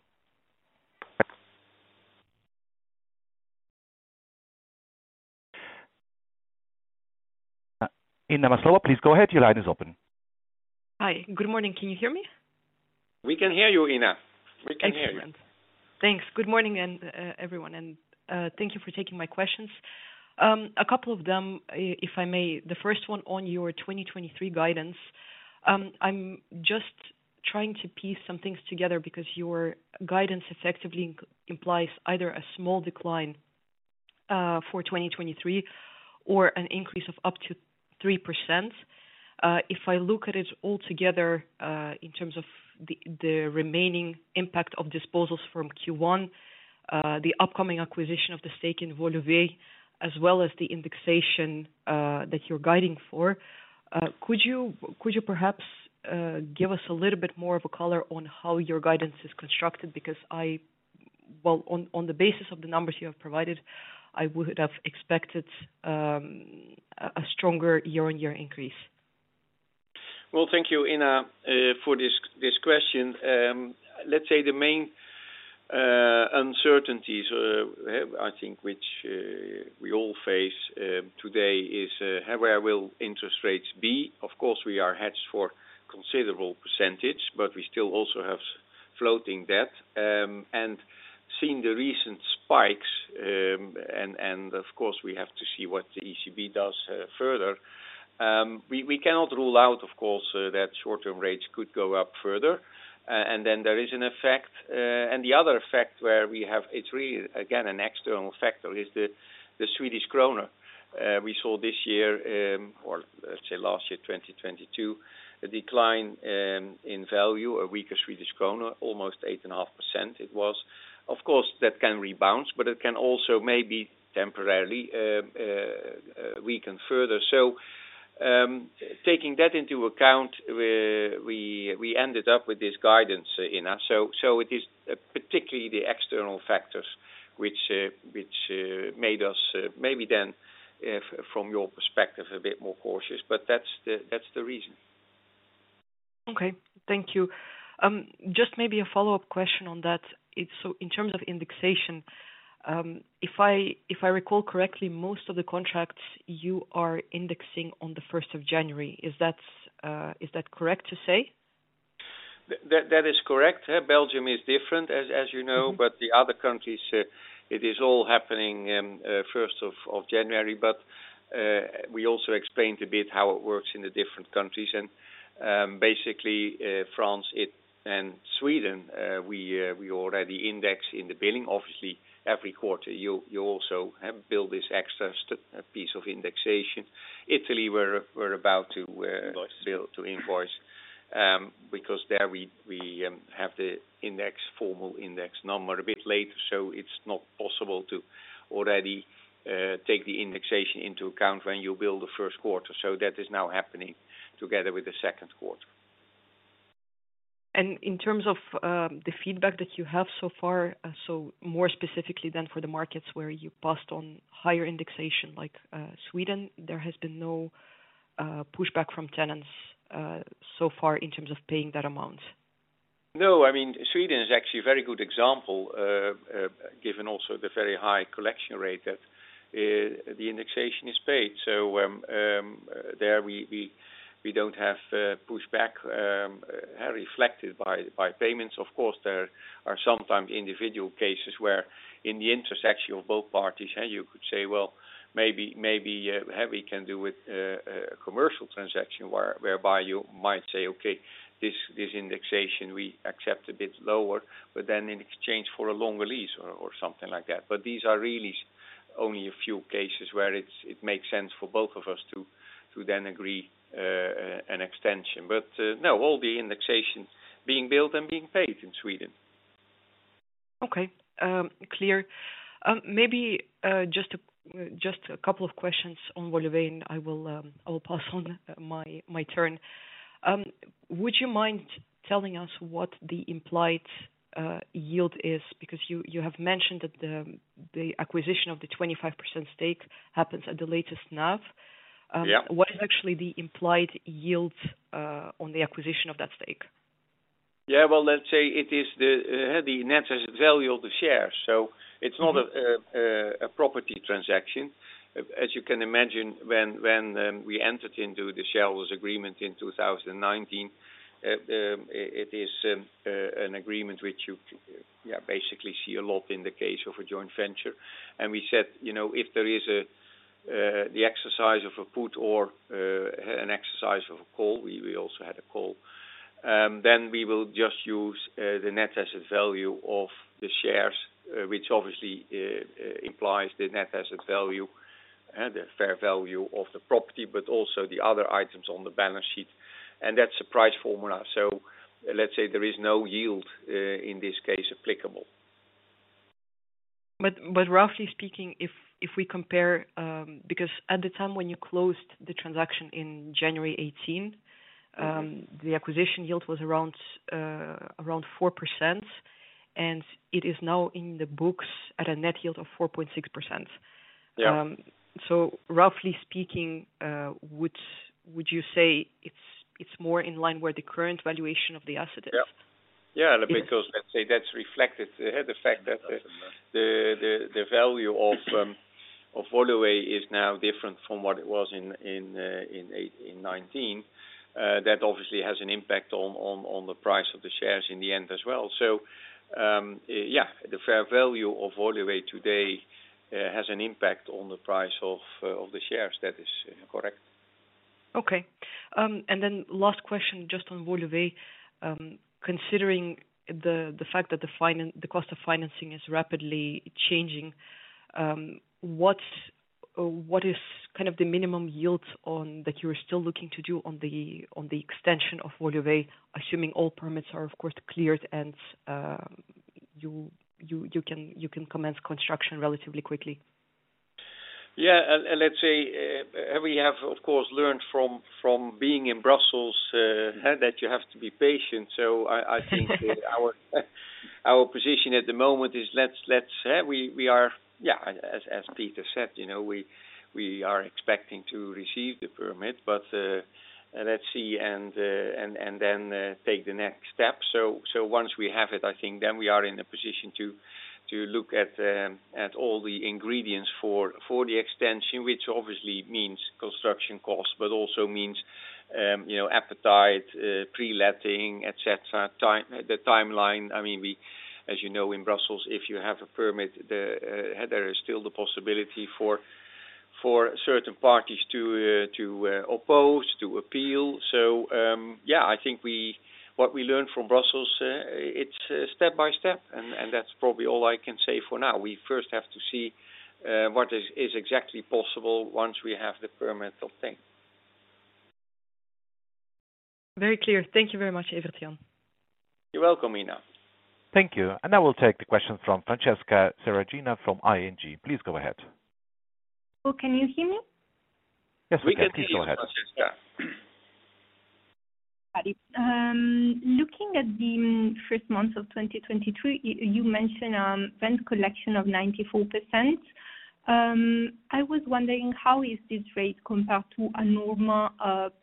Inna Maslova, please go ahead. Your line is open. Hi. Good morning. Can you hear me? We can hear you, Inna. We can hear you. Excellent. Thanks. Good morning everyone, and thank you for taking my questions. A couple of them, if I may. The first one on your 2023 guidance. I'm just trying to piece some things together because your guidance effectively implies either a small decline for 2023 or an increase of up to 3%. If I look at it all together, in terms of the remaining impact of disposals from Q1, the upcoming acquisition of the stake in Woluwe, as well as the indexation that you're guiding for, could you perhaps give us a little bit more of a color on how your guidance is constructed? Because I—well, on the basis of the numbers you have provided, I would have expected a stronger year-on-year increase. Well, thank you, Inna, for this question. Let's say the main uncertainties, I think which we all face today is where will interest rates be? Of course, we are hedged for considerable percentage, but we still also have floating debt. Seeing the recent spikes, and of course, we have to see what the ECB does further. We cannot rule out, of course, that short-term rates could go up further. Then there is an effect. The other effect, it's really again an external factor, is the Swedish krona. We saw this year, or let's say last year, 2022, a decline in value, a weaker Swedish krona, almost 8.5% it was. Of course, that can rebound, but it can also maybe temporarily weaken further. Taking that into account, we ended up with this guidance, Inna. It is particularly the external factors which made us maybe then if from your perspective a bit more cautious, but that's the reason. Okay. Thank you. Just maybe a follow-up question on that. In terms of indexation, if I, if I recall correctly, most of the contracts you are indexing on the first of January. Is that, is that correct to say? That is correct. Belgium is different, as you know. The other countries, it is all happening first of January. We also explained a bit how it works in the different countries. Basically, France and Sweden, we already index in the billing. Obviously, every quarter you also have billed this extra piece of indexation. Italy, we're about to— Invoice. Bill—to invoice, because there we have the index, formal index number a bit late. It's not possible to already take the indexation into account when you bill the first quarter. That is now happening together with the second quarter. In terms of the feedback that you have so far, so more specifically then for the markets where you passed on higher indexation, like Sweden, there has been no pushback from tenants so far in terms of paying that amount. No, I mean, Sweden is actually a very good example, given also the very high collection rate that the indexation is paid. There we don't have pushback, reflected by payments. Of course, there are sometimes individual cases where in the intersection of both parties, and you could say, well, maybe we can do with a commercial transaction whereby you might say, "Okay, this indexation, we accept a bit lower, but then in exchange for a longer lease," or something like that. These are really only a few cases where it makes sense for both of us to then agree an extension. No, all the indexations being billed and being paid in Sweden. Okay. Clear. Maybe, just a couple of questions on Woluwe, and I will pass on my turn. Would you mind telling us what the implied yield is? Because you have mentioned that the acquisition of the 25% stake happens at the latest NAV. Yeah. What is actually the implied yield on the acquisition of that stake? Well, let's say it is the net asset value of the share. It's not a property transaction. As you can imagine, when we entered into the shareholders' agreement in 2019, it is an agreement which you, yeah, basically see a lot in the case of a joint venture. We said, you know, if there is the exercise of a put or an exercise of a call, we also had a call, then we will just use the net asset value of the shares, which obviously implied the net asset value and the fair value of the property, but also the other items on the balance sheet. That's a price formula. Let's say there is no yield in this case applicable. roughly speaking, if we compare, because at the time when you closed the transaction in January. The acquisition yield was around 4%, and it is now in the books at a net yield of 4.6%. Yeah. Roughly speaking, would you say it's more in line where the current valuation of the asset is? Yeah. Yeah. Because let's say that's reflected, the fact that the value of Woluwe is now different from what it was in 2019. That obviously has an impact on the price of the shares in the end as well. Yeah, the fair value of Woluwe today has an impact on the price of the shares. That is correct. Okay. Then last question, just on Woluwe. Considering the fact that the cost of financing is rapidly changing, what is kind of the minimum yields on that you are still looking to do on the extension of Woluwe, assuming all permits are, of course, cleared and you can commence construction relatively quickly? Yeah. Let's say, we have, of course, learned from being in Brussels that you have to be patient. Our position at the moment is we are, as Peter said, you know, we are expecting to receive the permit. Let's see and then take the next step. Once we have it, I think then we are in a position to look at all the ingredients for the extension, which obviously means construction costs, but also means, you know, appetite, pre-letting, etc. The timeline, I mean, we, as you know, in Brussels, if you have a permit, there is still the possibility for certain parties to oppose, to appeal. I think what we learned from Brussels, it's step by step, and that's probably all I can say for now. We first have to see what is exactly possible once we have the permit, I think. Very clear. Thank you very much, Evert Jan. You're welcome, Inna. Thank you. Now we'll take the question from Francesca Ferragina from ING. Please go ahead. Cool. Can you hear me? Yes, we can. Please go ahead. We can hear you, Francesca. Looking at the first months of 2023, you mentioned rent collection of 94%. I was wondering, how is this rate compared to a normal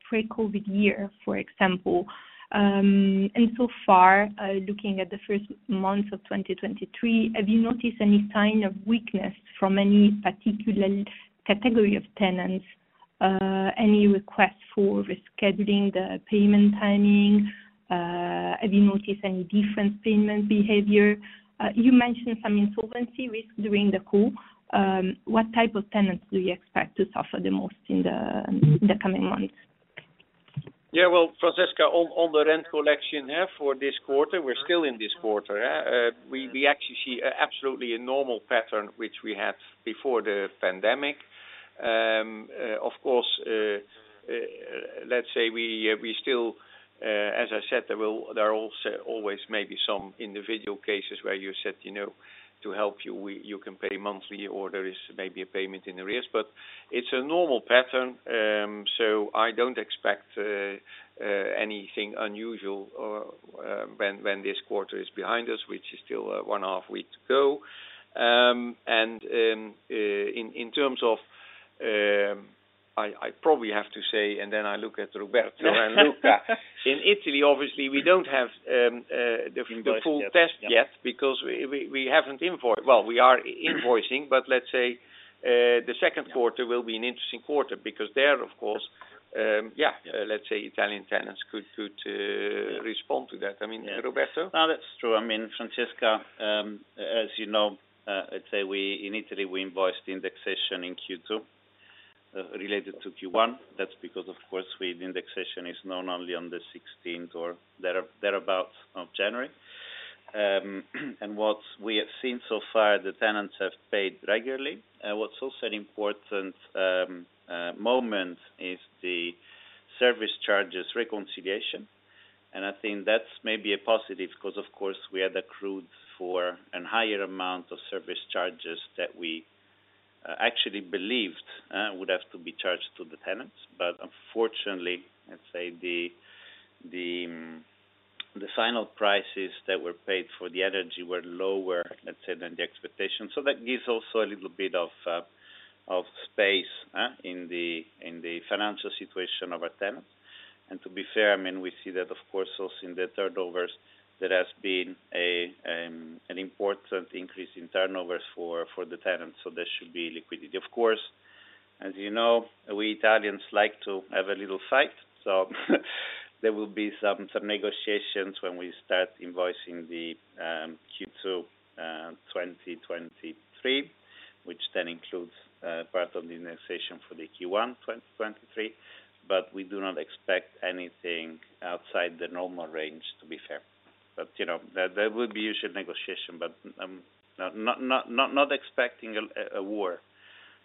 pre-COVID year, for example? So far, looking at the first months of 2023, have you noticed any sign of weakness from any particular category of tenants? Any request for rescheduling the payment timing? Have you noticed any different payment behavior? You mentioned some insolvency risk during the call. What type of tenants do you expect to suffer the most in the coming months? Well, Francesca, on the rent collection, yeah, for this quarter, we're still in this quarter, we actually see absolutely a normal pattern which we had before the pandemic. Of course, let's say we still, as I said, there are also always maybe some individual cases where you said, you know, to help you can pay monthly or there is maybe a payment in arrears. It's a normal pattern, so I don't expect anything unusual when this quarter is behind us, which is still one half week to go. And in terms of, I probably have to say, and then I look at Roberto and Luca. In Italy, obviously, we don't have the full test yet because we Well, we are invoicing, but let's say, the second quarter will be an interesting quarter because there, of course, yeah, let's say Italian tenants could respond to that. I mean, Roberto. No, that's true. I mean, Francesca, as you know, let's say in Italy, we invoice the indexation in Q2 related to Q1. That's because, of course, the indexation is known only on the 16th or thereabout of January. What we have seen so far, the tenants have paid regularly. What's also an important moment is the service charges reconciliation. I think that's maybe a positive because, of course, we had accrued for a higher amount of service charges that we actually believed would have to be charged to the tenants. Unfortunately, let's say the final prices that were paid for the energy were lower, let's say, than the expectation. That gives also a little bit of space in the financial situation of our tenants. To be fair, I mean, we see that, of course, also in the turnovers, there has been an important increase in turnovers for the tenants, so there should be liquidity. Of course, as you know, we Italians like to have a little fight. There will be some negotiations when we start invoicing the Q2 2023, which then includes part of the indexation for the Q1 2023. We do not expect anything outside the normal range, to be fair. You know, there will be usual negotiation, but not expecting a war.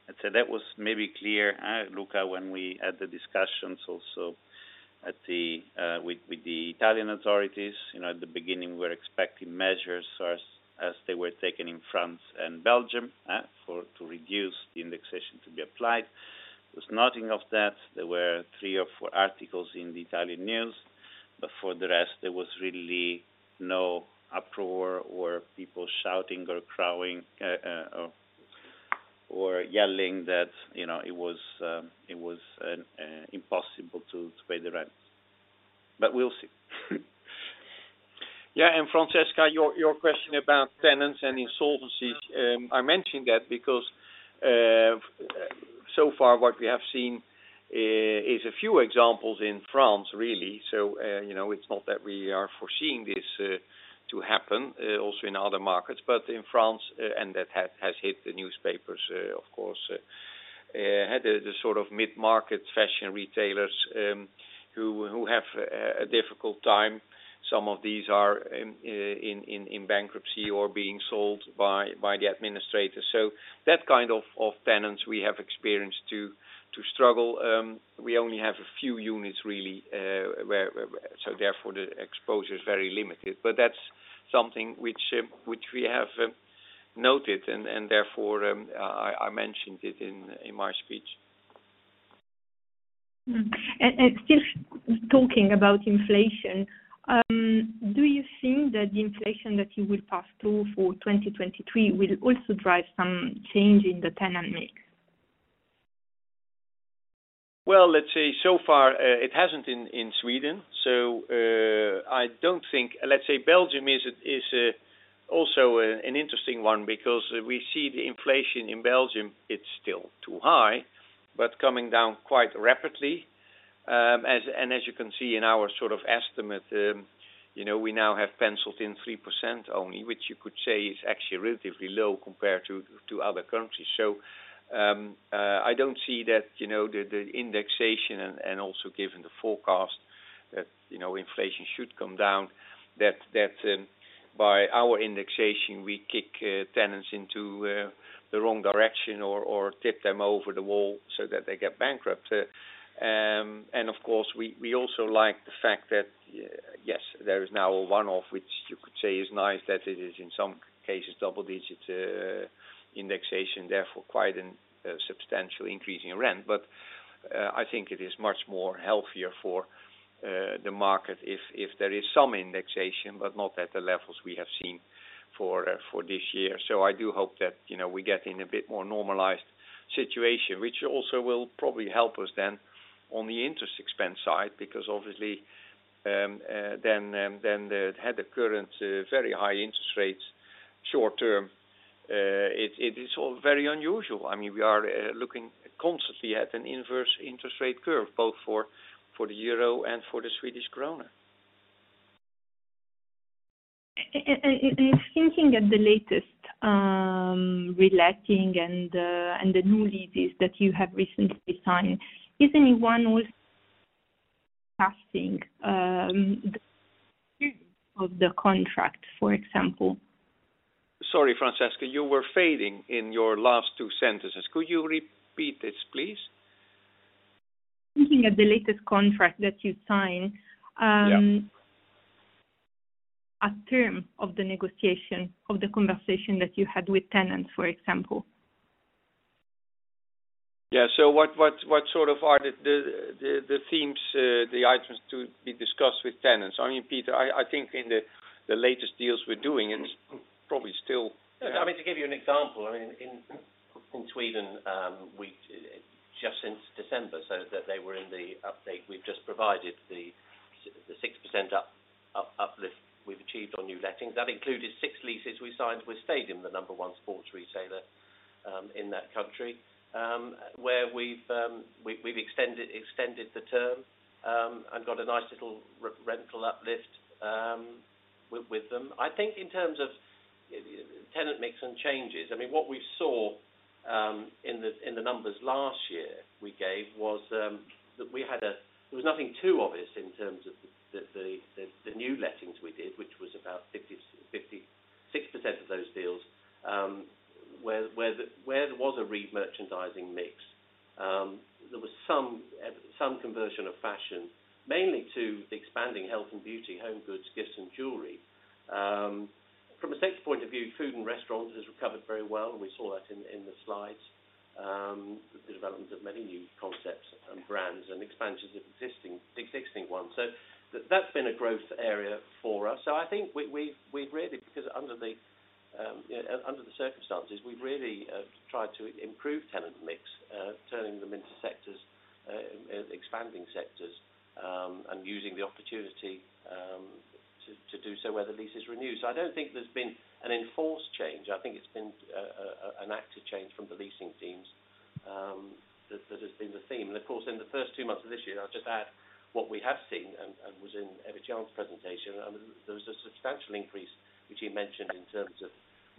I'd say that was maybe clear, Luca, when we had the discussions also at the with the Italian authorities. You know, at the beginning, we were expecting measures as they were taken in France and Belgium, to reduce the indexation to be applied. There was nothing of that. There were three or four articles in the Italian news. For the rest, there was really no uproar or people shouting or crowing or yelling that, you know, it was impossible to pay the rent. We'll see. Yeah. Francesca, your question about tenants and insolvencies, I mentioned that because so far what we have seen is a few examples in France, really. You know, it's not that we are foreseeing this to happen also in other markets, but in France, and that has hit the newspapers, of course. Had the sort of mid-market fashion retailers who have a difficult time. Some of these are in bankruptcy or being sold by the administrators. That kind of tenants we have experienced to struggle. We only have a few units really, where—therefore the exposure is very limited. That's something which we have noted and therefore I mentioned it in my speech. Still talking about inflation, do you think that the inflation that you will pass through for 2023 will also drive some change in the tenant mix? Well, let's say so far, it hasn't in Sweden. I don't think. Let's say Belgium is also an interesting one because we see the inflation in Belgium, it's still too high, but coming down quite rapidly. As you can see in our sort of estimate, you know, we now have penciled in 3% only, which you could say is actually relatively low compared to other countries. I don't see that, you know, the indexation and also given the forecast that, you know, inflation should come down, that by our indexation, we kick tenants into the wrong direction or tip them over the wall so that they get bankrupt. Of course, we also like the fact that, yes, there is now a one-off, which you could say is nice, that it is in some cases double-digit indexation, therefore quite an substantial increase in rent. I think it is much more healthier for the market if there is some indexation, but not at the levels we have seen for this year. I do hope that, you know, we get in a bit more normalized situation, which also will probably help us then on the interest expense side, because obviously, had the current very high interest rates. Short term, it is all very unusual. I mean, we are looking constantly at an inverse interest rate curve, both for the euro and for the Swedish krona. Thinking that the latest re-letting and the new leases that you have recently signed, is anyone with passing of the contract, for example? Sorry, Francesca, you were fading in your last two sentences. Could you repeat it, please? Thinking of the latest contract that you signed. Yeah. A term of the negotiation, of the conversation that you had with tenants, for example. Yeah. What sort of are the themes, the items to be discussed with tenants? I mean, Peter, I think in the latest deals we're doing and it's probably still— I mean, to give you an example, I mean, in Sweden, just since December, so that they were in the update, we've just provided the 6% uplift we've achieved on new lettings. That included six leases we signed with Stadium, the number one sports retailer, in that country. Where we've extended the term and got a nice little re-rental uplift with them. I think in terms of tenant mix and changes, I mean, what we saw in the numbers last year we gave was there was nothing too obvious in terms of the new lettings we did, which was about 56% of those deals a re-merchandising mix, there was some conversion of fashion, mainly to expanding health and beauty, home goods, gifts and jewelry. From a sector point of view, food and restaurants has recovered very well. We saw that in the slides, with the development of many new concepts and brands and expansions of existing ones. That's been a growth area for us. I think we've really, because under the circumstances, we've really tried to improve tenant mix, turning them into sectors, expanding sectors, and using the opportunity to do so where the lease is renewed. I don't think there's been an enforced change. I think it's been an active change from the leasing teams that has been the theme. Of course, in the first two months of this year, I'll just add what we have seen and was in Evert Jan's presentation, there was a substantial increase, which you mentioned in terms of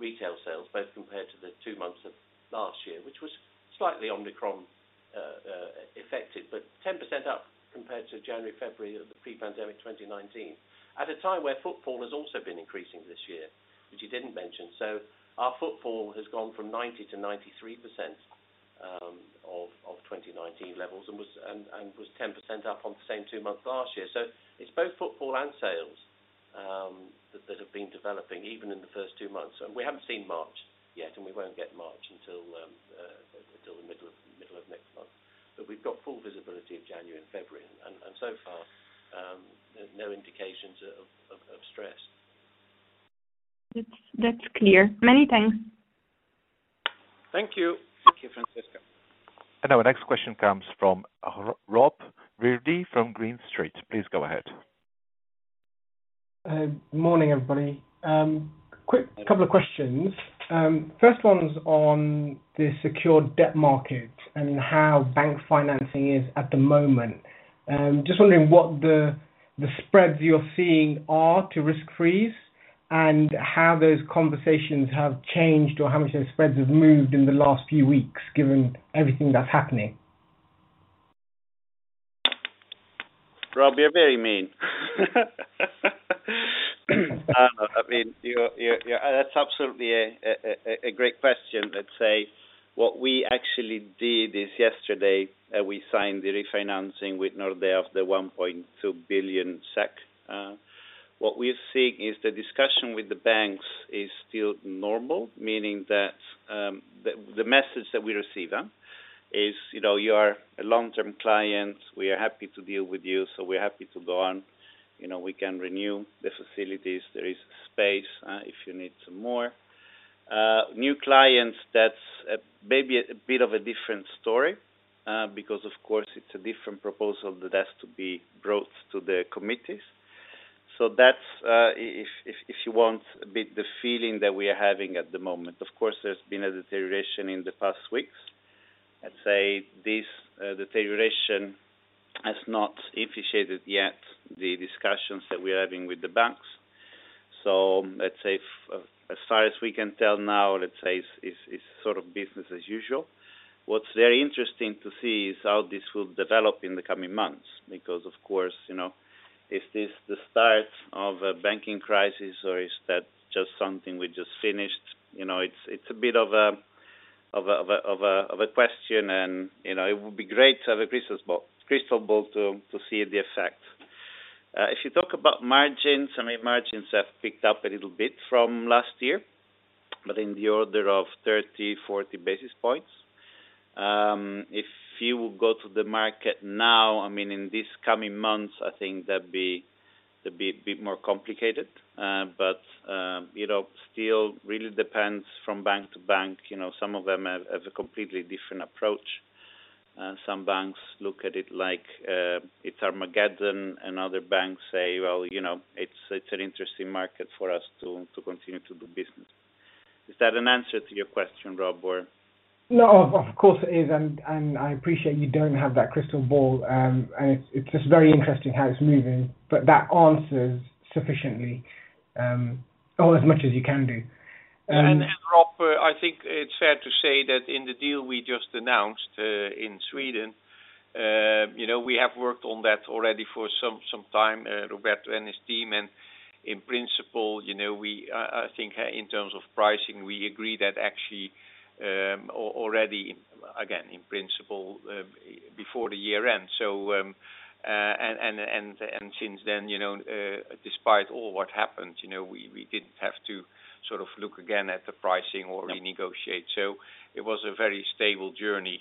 retail sales, both compared to the two months of last year, which was slightly Omicron affected, but 10% up compared to January, February of the pre-pandemic 2019. At a time where footfall has also been increasing this year, which you didn't mention. Our footfall has gone from 90%-93% of 2019 levels and was 10% up on the same two months last year. It's both footfall and sales that have been developing even in the first two months. We haven't seen March yet, and we won't get March until the middle of next month. We've got full visibility of January and February, and so far, no indications of stress. That's clear. Many thanks. Thank you. Thank you, Francesca. Our next question comes from Rob Virdee from Green Street. Please go ahead. Morning, everybody. Quick couple of questions. First one's on the secured debt market and how bank financing is at the moment. Just wondering what the spreads you're seeing are to risk-free and how those conversations have changed or how much those spreads have moved in the last few weeks, given everything that's happening. Rob, you're very mean. I mean, that's absolutely a great question. Let's say what we actually did is yesterday, we signed the refinancing with Nordea of the 1.2 billion SEK. What we're seeing is the discussion with the banks is still normal, meaning that the message that we receive is, you know, "You are a long-term client, we are happy to deal with you, so we're happy to go on. You know, we can renew the facilities. There is space, if you need some more." New clients, that's maybe a bit of a different story, because of course it's a different proposal that has to be brought to the committees. That's if you want a bit the feeling that we are having at the moment. Of course, there's been a deterioration in the past weeks. I'd say this deterioration has not officiated yet the discussions that we're having with the banks. Let's say as far as we can tell now, let's say it's sort of business as usual. What's very interesting to see is how this will develop in the coming months because of course, you know, is this the start of a banking crisis or is that just something we just finished? You know, it's a bit of a question and, you know, it would be great to have a crystal ball to see the effect. If you talk about margins, I mean, margins have picked up a little bit from last year, but in the order of 30, 40 basis points. If you go to the market now, I mean, in these coming months, I think that'd be a bit more complicated. Still really depends from bank to bank. You know, some of them have a completely different approach. Some banks look at it like, it's Armageddon, and other banks say, "Well, you know, it's an interesting market for us to continue to do business." Is that an answer to your question, Rob, or? No, of course it is. I appreciate you don't have that crystal ball. It's just very interesting how it's moving. That answers sufficiently, or as much as you can do. Rob, I think it's fair to say that in the deal we just announced in Sweden, you know, we have worked on that already for some time, Roberto and his team. In principle, you know, we, I think in terms of pricing, we agree that actually, already, again, in principle, before the year end. Since then, you know, despite all what happened, you know, we didn't have to sort of look again at the pricing or renegotiate. It was a very stable journey,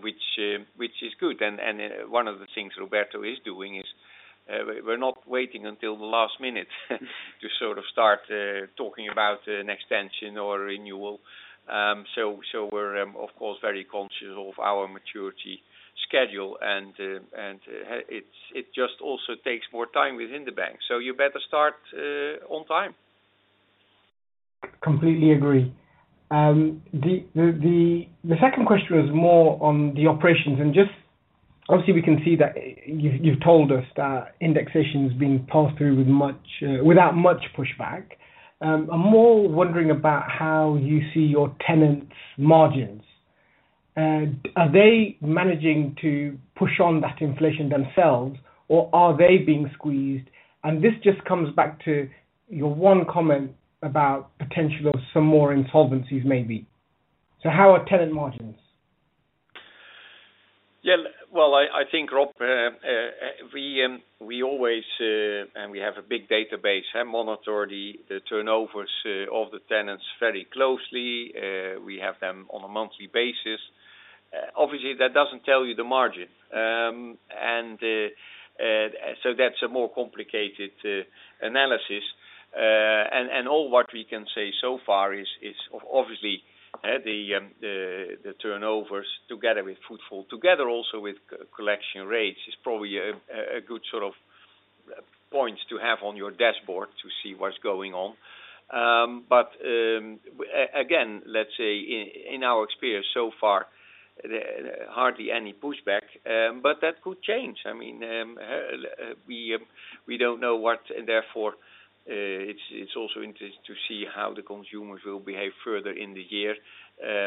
which is good. One of the things Roberto is doing is, we're not waiting until the last minute to sort of start talking about an extension or renewal. We're, of course, very conscious of our maturity schedule. It just also takes more time within the bank. You better start on time. Completely agree. The second question was more on the operations. Obviously, we can see that you've told us that indexation is being passed through with much, without much pushback. I'm more wondering about how you see your tenants' margins. Are they managing to push on that inflation themselves, or are they being squeezed? This just comes back to your one comment about potential of some more insolvencies maybe. How are tenant margins? Well, I think, Rob, we always, and we have a big database and monitor the turnovers of the tenants very closely. We have them on a monthly basis. Obviously, that doesn't tell you the margin. So that's a more complicated analysis. All what we can say so far is obviously the turnovers together with footfall, together also with collection rates, is probably a good sort of points to have on your dashboard to see what's going on. Again, let's say in our experience so far, hardly any pushback, but that could change. I mean, we don't know what. Therefore, it's also interesting to see how the consumers will behave further in the year,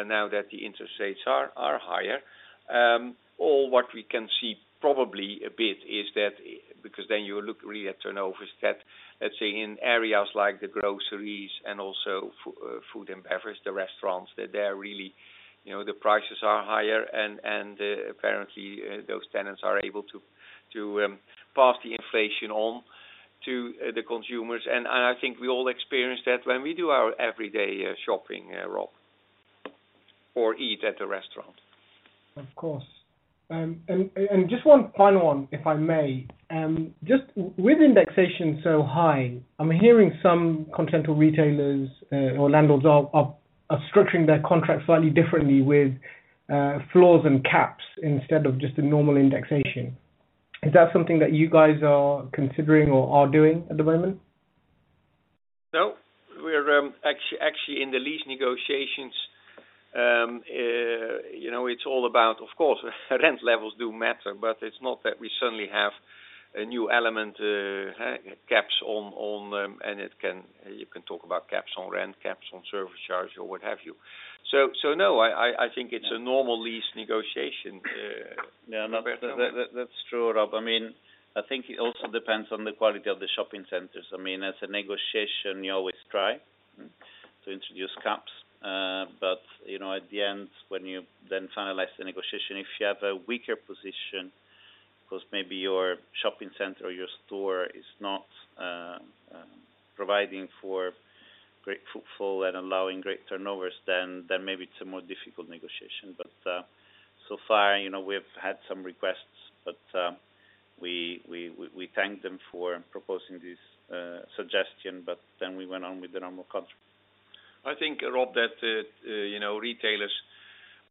now that the interest rates are higher. All what we can see probably a bit is that, because then you look really at turnovers, that, let's say in areas like the groceries and also food and beverage, the restaurants, that they're really, you know, the prices are higher and apparently those tenants are able to pass the inflation on to the consumers. I think we all experience that when we do our everyday shopping, Rob, or eat at a restaurant. Of course. And just one final one, if I may. Just with indexation so high, I'm hearing some continental retailers or landlords are structuring their contracts slightly differently with floors and caps instead of just a normal indexation. Is that something that you guys are considering or are doing at the moment? No. We're actually in the lease negotiations, you know, it's all about, of course, rent levels do matter, but it's not that we suddenly have a new element, caps on them, you can talk about caps on rent, caps on service charge or what have you. No, I think it's a normal lease negotiation, Roberto. That's true, Rob. I mean, I think it also depends on the quality of the shopping centers. I mean, as a negotiation, you always try to introduce caps. You know, at the end, when you then finalize the negotiation, if you have a weaker position, because maybe your shopping center or your store is not providing for great footfall and allowing great turnovers, then maybe it's a more difficult negotiation. So far, you know, we've had some requests, but we thank them for proposing this suggestion, but then we went on with the normal contract. I think, Rob, that, you know, retailers,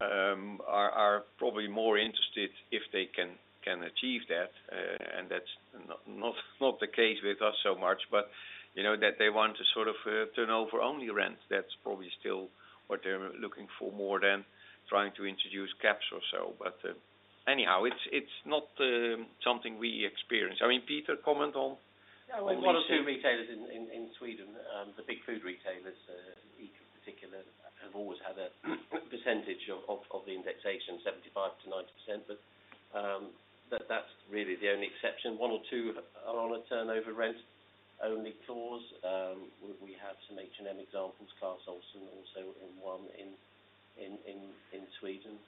are probably more interested if they can achieve that, and that's not the case with us so much. You know, that they want to sort of, turnover only rent. That's probably still what they're looking for more than trying to introduce caps or so. Anyhow, it's not something we experience. I mean, Peter, comment on lease— Well, one or two retailers in Sweden, the big food retailers, each in particular, have always had a percentage of the indexation 75%-90%. That's really the only exception. One or two are on a turnover rent only clause. We have some H&M examples, Clas Ohlson also in one in Sweden,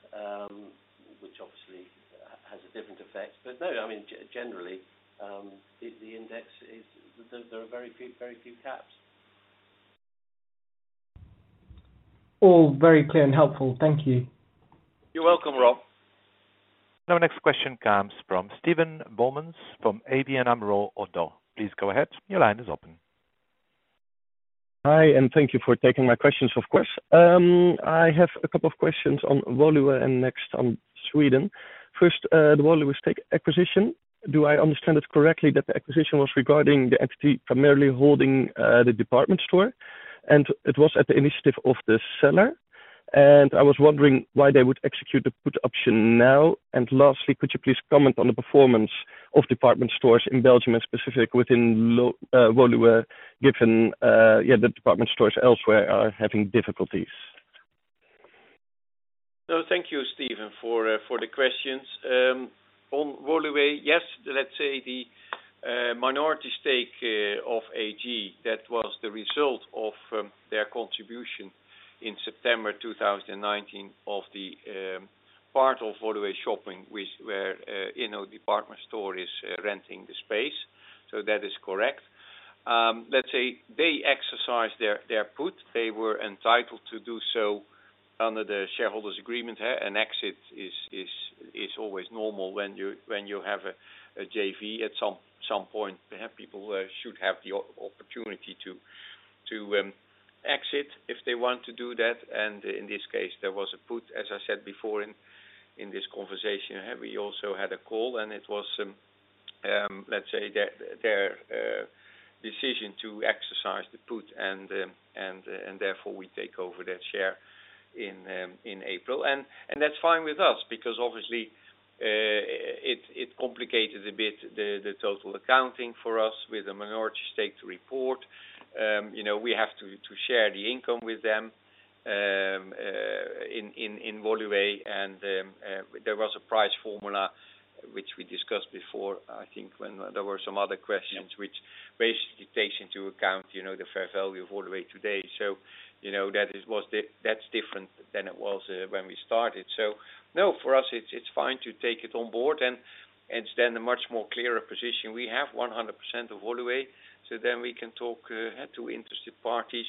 which obviously has a different effect. No, I mean, generally, the index is there are very few caps. All very clear and helpful. Thank you. You're welcome, Rob. Our next question comes from Steven Boumans from ABN AMRO ODDO. Please go ahead. Your line is open. Hi, thank you for taking my questions, of course. I have a couple of questions on Woluwe and next on Sweden. First, the Woluwe stake acquisition. Do I understand it correctly that the acquisition was regarding the entity primarily holding the department store, and it was at the initiative of the seller? I was wondering why they would execute a put option now. Lastly, could you please comment on the performance of department stores in Belgium and specific within Woluwe given, yeah, the department stores elsewhere are having difficulties. No, thank you, Steven, for for the questions. On Woluwe, yes, let's say the minority stake of AG, that was the result of their contribution in September 2019 of the part of Woluwe Shopping which where, you know, department store is renting the space. That is correct. Let's say they exercise their put. They were entitled to do so under the shareholders' agreement. An exit is always normal when you, when you have a JV at some point. To have people should have the opportunity to exit if they want to do that. In this case, there was a put, as I said before, in this conversation. We also had a call, and it was, let's say their decision to exercise the put and therefore we take over their share in April. That's fine with us because obviously, it complicated a bit the total accounting for us with the minority stake to report. You know, we have to share the income with them in Woluwe. There was a price formula which we discussed before, I think, when there were some other questions which basically takes into account, you know, the fair value of Woluwe today. You know, that's different than it was when we started. No, for us, it's fine to take it on board and it's then a much more clearer position. We have 100% of Woluwe, we can talk to interested parties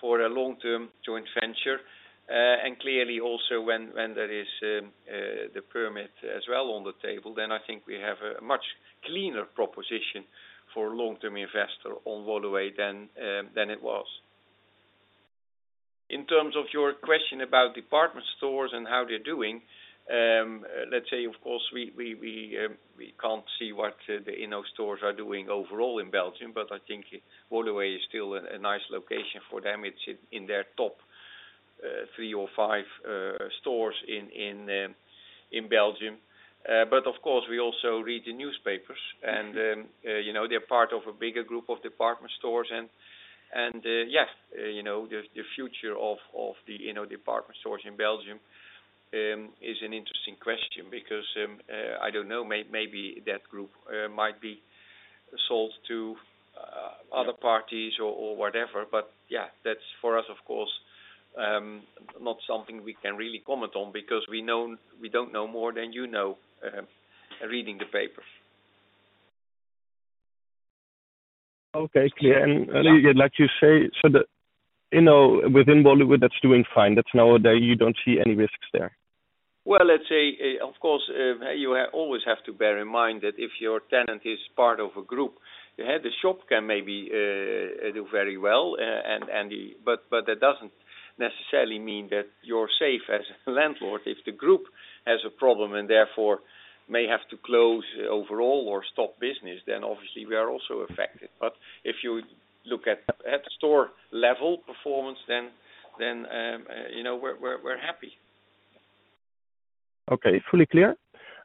for a long-term joint venture. Clearly also when there is the permit as well on the table, then I think we have a much cleaner proposition for long-term investor on Woluwe than than it was. In terms of your question about department stores and how they're doing, let's say, of course, we can't see what the INNO stores are doing overall in Belgium, but I think Woluwe is still a nice location for them. It's in their top three or five stores in Belgium. Of course, we also read the newspapers and, you know, they're part of a bigger group of department stores. Yes, you know, the future of the, you know, department stores in Belgium is an interesting question because I don't know, maybe that group might be sold to other parties or whatever. Yeah, that's for us, of course, not something we can really comment on because we don't know more than you know, reading the papers. Okay, clear. Like you say, the, you know, within Woluwe that's doing fine. That's now a day you don't see any risks there. Let's say, of course, you always have to bear in mind that if your tenant is part of a group, you have the shop can maybe do very well. That doesn't necessarily mean that you're safe as a landlord. If the group has a problem and therefore may have to close overall or stop business, then obviously we are also affected. If you look at store level performance, then, you know, we're happy. Okay, fully clear.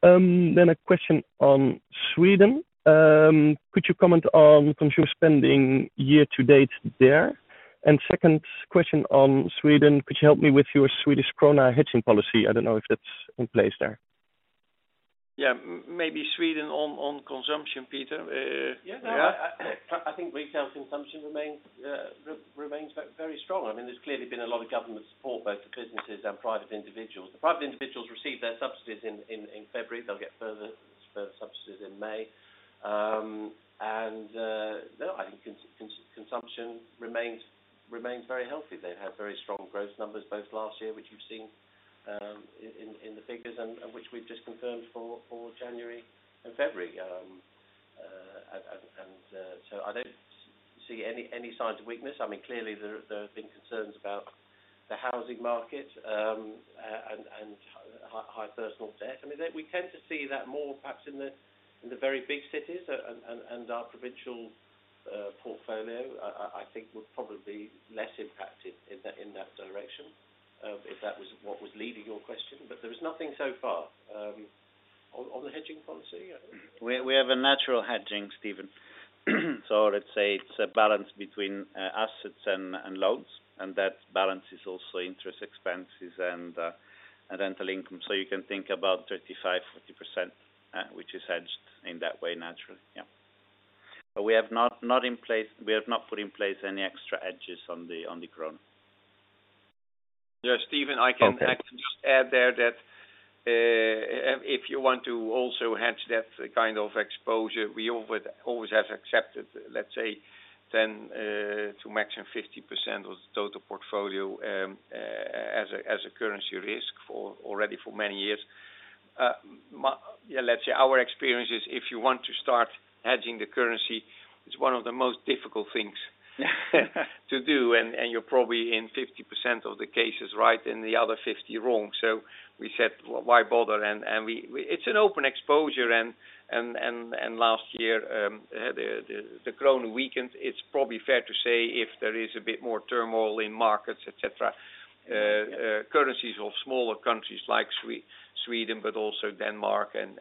A question on Sweden. Could you comment on consumer spending year to date there? Second question on Sweden, could you help me with your Swedish krona hedging policy? I don't know if that's in place there. Yeah. maybe Sweden on consumption, Peter. Yeah. No, I think retail consumption remains very strong. I mean, there's clearly been a lot of government support, both for businesses and private individuals. The private individuals receive their subsidies in February. They'll get further subsidies in May. No, I think consumption remains very healthy. They've had very strong growth numbers both last year, which you've seen in the figures and which we've just confirmed for January and February. I don't see any signs of weakness. I mean, clearly there have been concerns about the housing market and high personal debt. I mean, we tend to see that more perhaps in the very big cities and our provincial portfolio, I think was probably less impacted in that direction, if that was what was leading your question. There was nothing so far. On the hedging policy? We have a natural hedging, Steven. Let's say it's a balance between assets and loans, and that balance is also interest expenses and rental income. You can think about 35%-40%, which is hedged in that way naturally. Yeah. We have not put in place any extra hedges on the krona. Yeah, Steven, I can actually just add there that, if you want to also hedge that kind of exposure, we always have accepted, let's say 10, to maximum 50% of the total portfolio, as a currency risk for already for many years. My, let's say our experience is if you want to start hedging the currency, it's one of the most difficult things to do, and you're probably in 50% of the cases right, in the other 50 wrong. We said, "Well, why bother?" We. It's an open exposure, and last year, the krona weakened. It's probably fair to say if there is a bit more turmoil in markets, et cetera, currencies of smaller countries like Sweden, but also Denmark and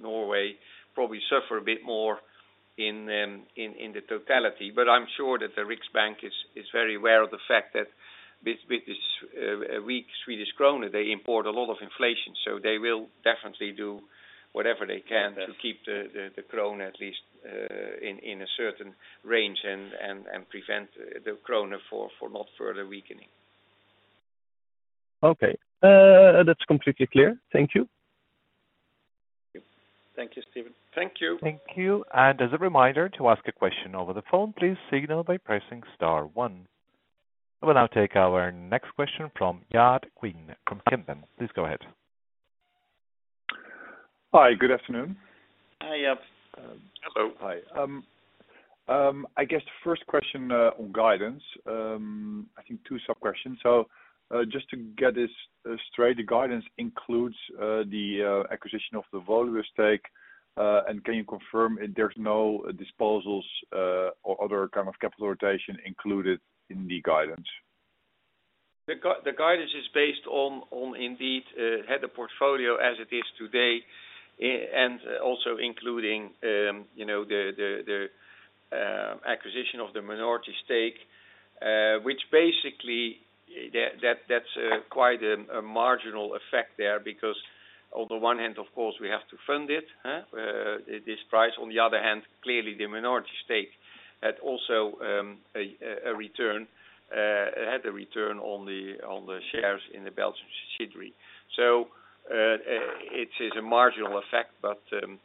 Norway probably suffer a bit more in the totality. I'm sure that the Riksbank is very aware of the fact that with this weak Swedish krona, they import a lot of inflation. They will definitely do whatever they can to keep the krona at least in a certain range and prevent the krona for not further weakening. Okay. That's completely clear. Thank you. Thank you, Steven. Thank you. Thank you. As a reminder, to ask a question over the phone, please signal by pressing star one. We'll now take our next question from Jaap Kuin from Kempen. Please go ahead. Hi, good afternoon. Hi, Jaap. Hello. Hi. I guess the first question, on guidance, I think two sub-questions. So, just to get this straight the guidance includes the acquisition of the Woluwe stake and can you confirm if there's no disposals or other kind of capital rotation included in the guidance? The guidance is based on indeed, head of portfolio as it is today and also including, you know, the acquisition of the minority stake, which basically that's quite a marginal effect there because on the one hand of course we have to fund it, huh? This price. On the other hand, clearly the minority stake had also a return on the shares in the Belgian SIR. It is a marginal effect, but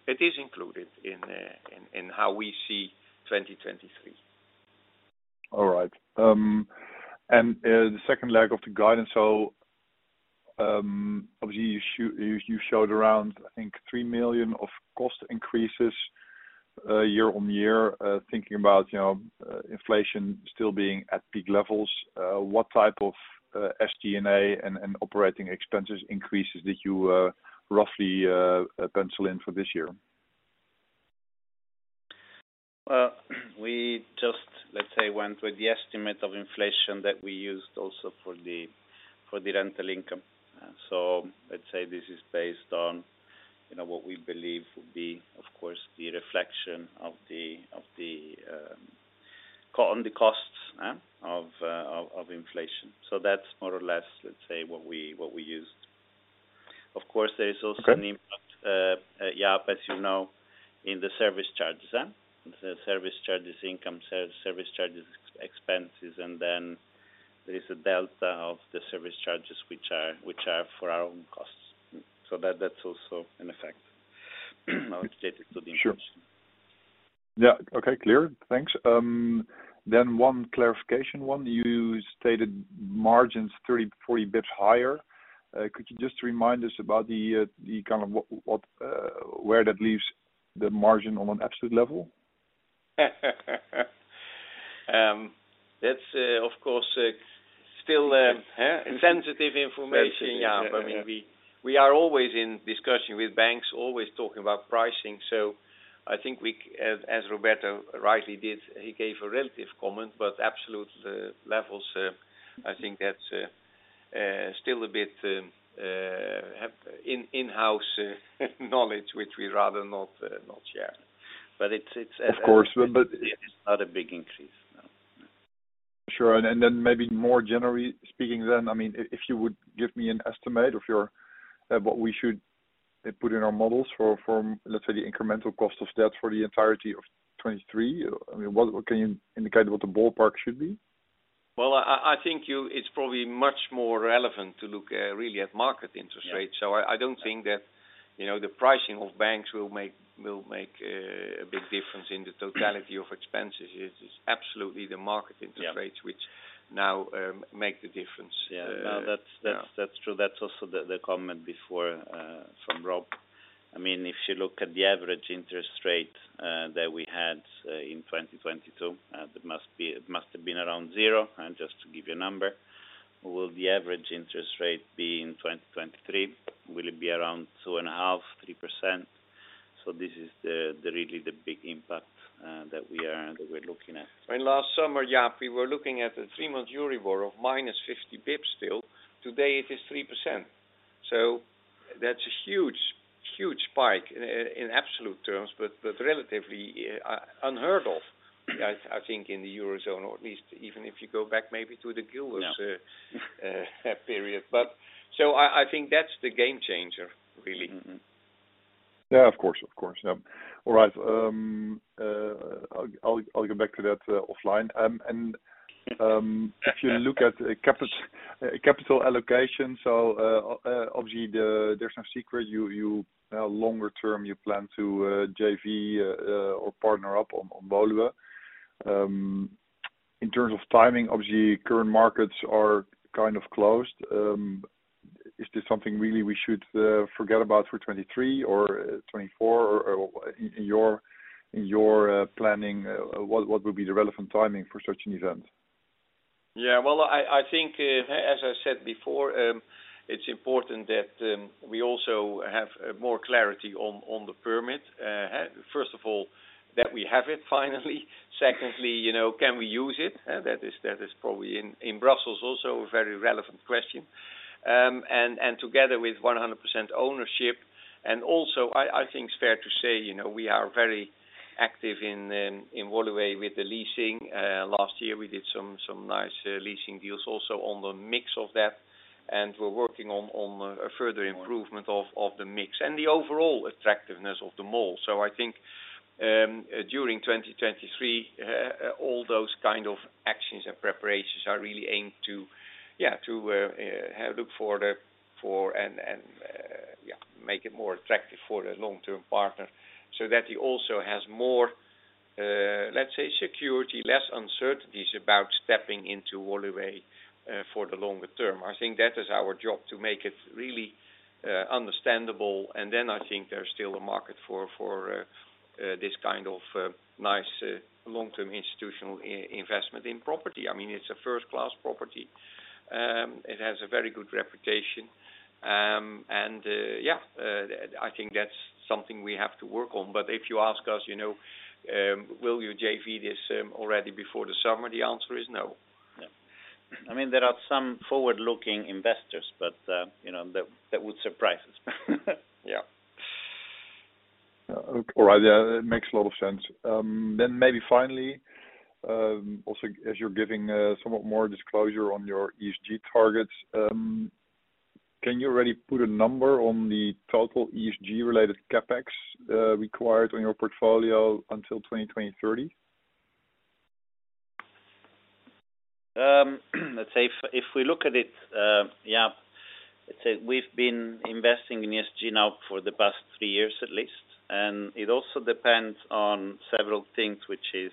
it is included in how we see 2023. All right. The second leg of the guidance, obviously you showed around, I think 3 million of cost increases, year-on-year. Thinking about, you know, inflation still being at peak levels, what type of SG&A and operating expenses increases did you, roughly, pencil in for this year? We just, let's say, went with the estimate of inflation that we used also for the, for the rental income. Let's say this is based on, you know, what we believe would be, of course, the reflection of the—on the costs of inflation. That's more or less, let's say, what we used. Of course, there is also an impact. Okay. Jaap, as you know, in the service charges, huh? The service charges income, service charges expenses, and then there is a delta of the service charges which are for our own costs. That, that's also an effect, you know, related to the inflation. Sure. Yeah. Okay. Clear. Thanks. One clarification. One, you stated margins 30, 40 bits higher. Could you just remind us about the kind of what, where that leaves the margin on an absolute level? That's, of course, still, sensitive information, Jaap. Sensitive. Yeah. I mean, we are always in discussion with banks, always talking about pricing. I think As Roberto rightly did, he gave a relative comment, but absolute levels, I think that's still a bit in-house knowledge which we'd rather not share. Of course. It's not a big increase. No. Sure. Then maybe more generally speaking then, I mean, if you would give me an estimate of your what we should put in our models from, let's say, the incremental cost of debt for the entirety of 2023. I mean, what can you indicate what the ballpark should be? Well, I think it's probably much more relevant to look really at market interest rates. I don't think that, you know, the pricing of banks will make a big difference in the totality of expenses. It is absolutely the market interest rates which now make the difference. Yeah. No, that's true. That's also the comment before from Rob. I mean, if you look at the average interest rate, that we had, in 2022, it must have been around zero, and just to give you a number. Will the average interest rate be in 2023? Will it be around 2.5% to 3%? This is the really big impact that we're looking at. Last summer, Jaap, we were looking at a three-month Euribor of -50 pips still. Today it is 3%. That's a huge spike in absolute terms, but relatively, unheard of, I think, in the Eurozone, or at least even if you go back maybe to the Gilts period. I think that's the game changer really. Yeah, of course. Of course. No. All right. I'll get back to that offline. If you look at a capital allocation. Obviously, there's no secret. You longer term you plan to JV or partner up on Balexert. In terms of timing, obviously, current markets are kind of closed. Is this something really we should forget about for 2023 or 2024 or in your planning, what would be the relevant timing for such an event? Well, I think, as I said before, it's important that we also have more clarity on the permit. First of all, that we have it finally. Secondly, you know, can we use it? That is probably in Brussels also a very relevant question. Together with 100% ownership and also I think it's fair to say, you know, we are very active in Woluwe with the leasing. Last year we did some nice leasing deals also on the mix of that, and we're working on a further improvement of the mix and the overall attractiveness of the mall. I think, during 2023, all those kind of actions and preparations are really aimed to look for and make it more attractive for a long-term partner so that he also has more, let's say, security, less uncertainties about stepping into Woluwe for the longer term. I think that is our job to make it really understandable. I think there's still a market for this kind of nice long-term institutional investment in property. I mean, it's a first-class property. It has a very good reputation. I think that's something we have to work on. If you ask us, you know, will you JV this already before the summer? The answer is no. Yeah. I mean, there are some forward-looking investors, you know, that would surprise us. Yeah. All right. Yeah, it makes a lot of sense. Maybe finally, also, as you're giving, somewhat more disclosure on your ESG targets, can you already put a number on the total ESG related CapEx, required on your portfolio until 2030? Let's say if we look at it, yeah. Let's say we've been investing in ESG now for the past three years at least. It also depends on several things, which is,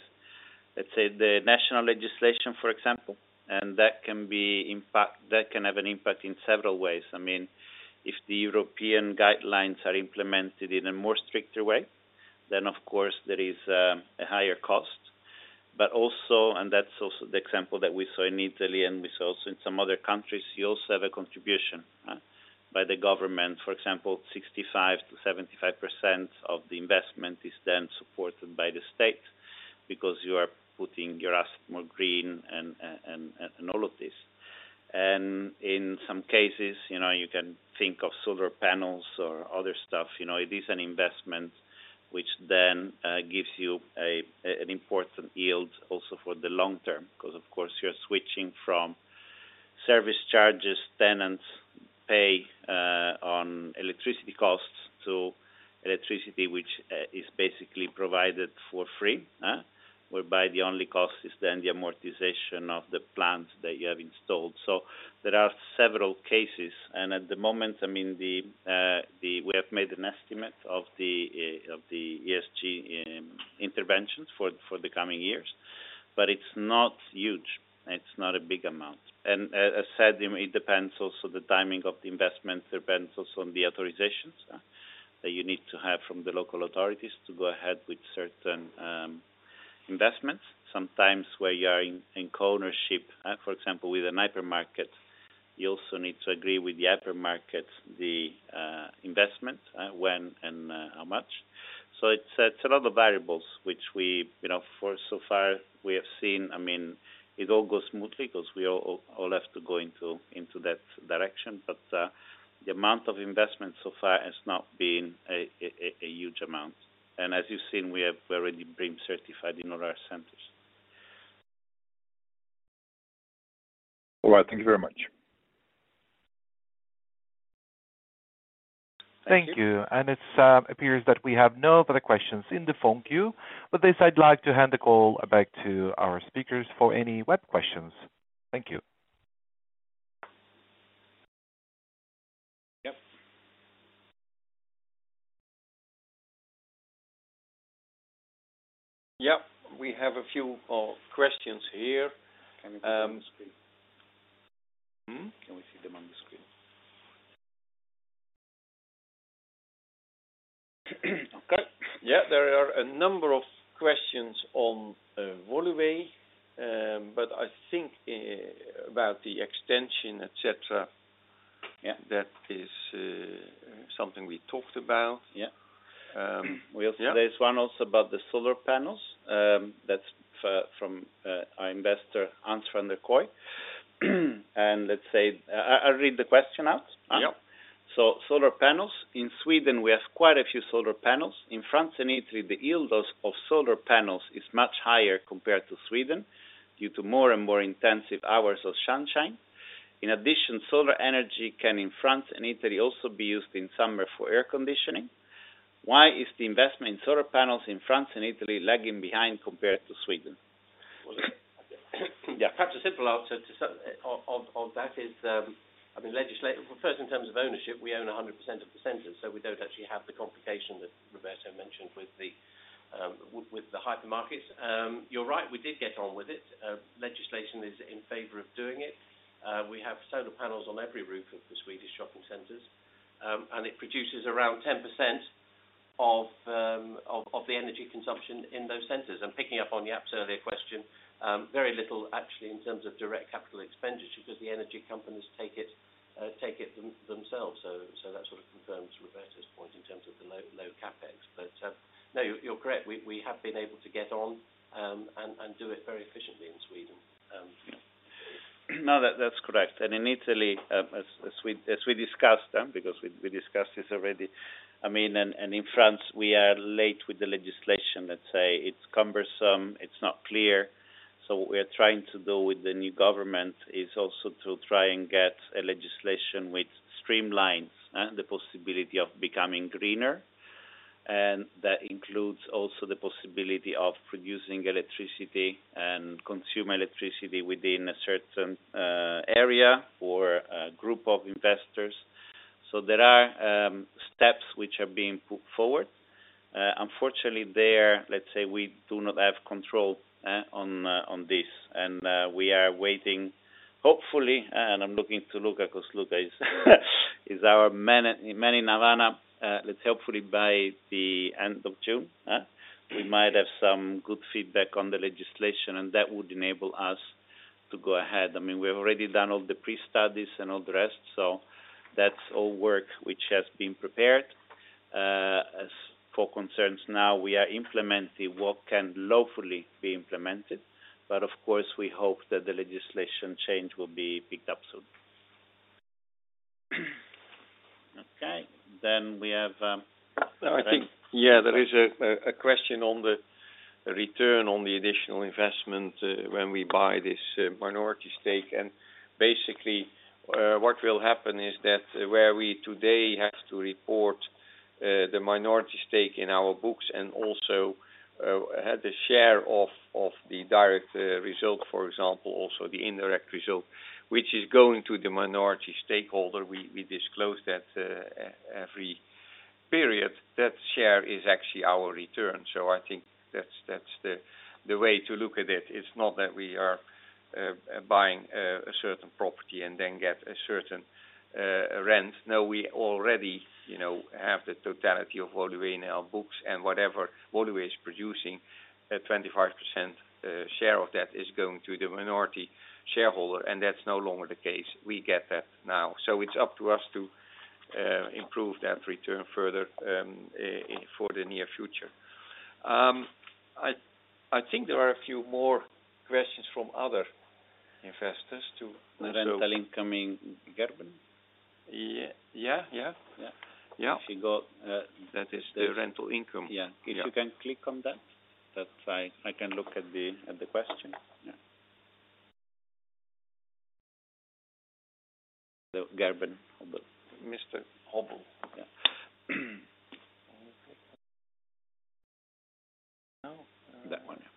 let's say, the national legislation, for example. That can have an impact in several ways. I mean, if the European guidelines are implemented in a more stricter way, then of course there is a higher cost. Also, and that's also the example that we saw in Italy and we saw also in some other countries, you also have a contribution by the government. For example, 65%-75% of the investment is then supported by the state because you are putting your asset more green and all of this. In some cases, you know, you can think of solar panels or other stuff. You know, it is an investment which then gives you an important yield also for the long term, because of course, you're switching from service charges tenants pay on electricity costs to electricity, which is basically provided for free, whereby the only cost is then the amortization of the plants that you have installed. There are several cases. At the moment, I mean, we have made an estimate of the ESG interventions for the coming years. It's not huge. It's not a big amount. As said, it depends also the timing of the investment, depends also on the authorizations that you need to have from the local authorities to go ahead with certain investments. Sometimes where you are in co-ownership, for example, with an hypermarket, you also need to agree with the hypermarket, the investment, when and how much. It's a lot of variables which we, you know, for so far we have seen. I mean, it all goes smoothly 'cause we all have to go into that direction. The amount of investment so far has not been a huge amount. As you've seen, we have already been certified in all our centers. All right. Thank you very much. Thank you. Thank you. It appears that we have no other questions in the phone queue. With this, I'd like to hand the call back to our speakers for any web questions. Thank you. Yep. Yep. We have a few questions here. Can we see them on the screen? Hmm? Can we see them on the screen? Okay. Yeah. There are a number of questions on Woluwe, but I think about the extension, et cetera. Yeah. That is something we talked about. Yeah. Yeah. There's one also about the solar panels, that's from our investor, Ans van der Kooy. Let's say, I'll read the question out. Yep. Solar panels. In Sweden, we have quite a few solar panels. In France and Italy, the yield of solar panels is much higher compared to Sweden due to more and more intensive hours of sunshine. In addition, solar energy can in France and Italy also be used in summer for air conditioning. Why is the investment in solar panels in France and Italy lagging behind compared to Sweden? Yeah, perhaps a simple answer to of that is, I mean, well, first, in terms of ownership, we own 100% of the centers, so we don't actually have the complication that Roberto mentioned with the with the hypermarkets. You're right, we did get on with it. Legislation is in favor of doing it. We have solar panels on every roof of the Swedish shopping centers, and it produces around 10% of the energy consumption in those centers. Picking up on Jaap's earlier question, very little actually in terms of direct capital expenditure because the energy companies take it themselves. That sort of confirms Roberto's point in terms of the low CapEx. No, you're correct. We have been able to get on, and do it very efficiently in Sweden. No, that's correct. In Italy, as we discussed, because we discussed this already, I mean, and in France, we are late with the legislation. Let's say it's cumbersome, it's not clear. What we are trying to do with the new government is also to try and get a legislation which streamlines the possibility of becoming greener. That includes also the possibility of producing electricity and consume electricity within a certain area or a group of investors. There are steps which are being put forward. Unfortunately, there, let's say we do not have control on this. We are waiting, hopefully, and I'm looking to Luca because Luca is our man in Havana. Let's hopefully by the end of June, we might have some good feedback on the legislation, and that would enable us to go ahead. I mean, we've already done all the pre-studies and all the rest, so that's all work which has been prepared. As for concerns now, we are implementing what can lawfully be implemented. Of course, we hope that the legislation change will be picked up soon. We have. I think, yeah, there is a question on the return on the additional investment when we buy this minority stake. Basically, what will happen is that where we today have to report the minority stake in our books and also have the share of the direct result, for example, also the indirect result, which is going to the minority stakeholder. We disclose that every period. That share is actually our return. I think that's the way to look at it. It's not that we are buying a certain property and then get a certain rent. We already, you know, have the totality of Woluwe in our books and whatever Woluwe is producing, a 25% share of that is going to the minority shareholder, and that's no longer the case. We get that now. It's up to us to improve that return further, for the near future. I think there are a few more questions from other investors to also- Rental incoming Gerben. Yeah. Yeah. Yeah. If you go, that is the rental income. Yeah. If you can click on that, I can look at the question. Yeah. The Gerben Hobbel. Mr. Hobbel. Yeah. No. That one, yeah.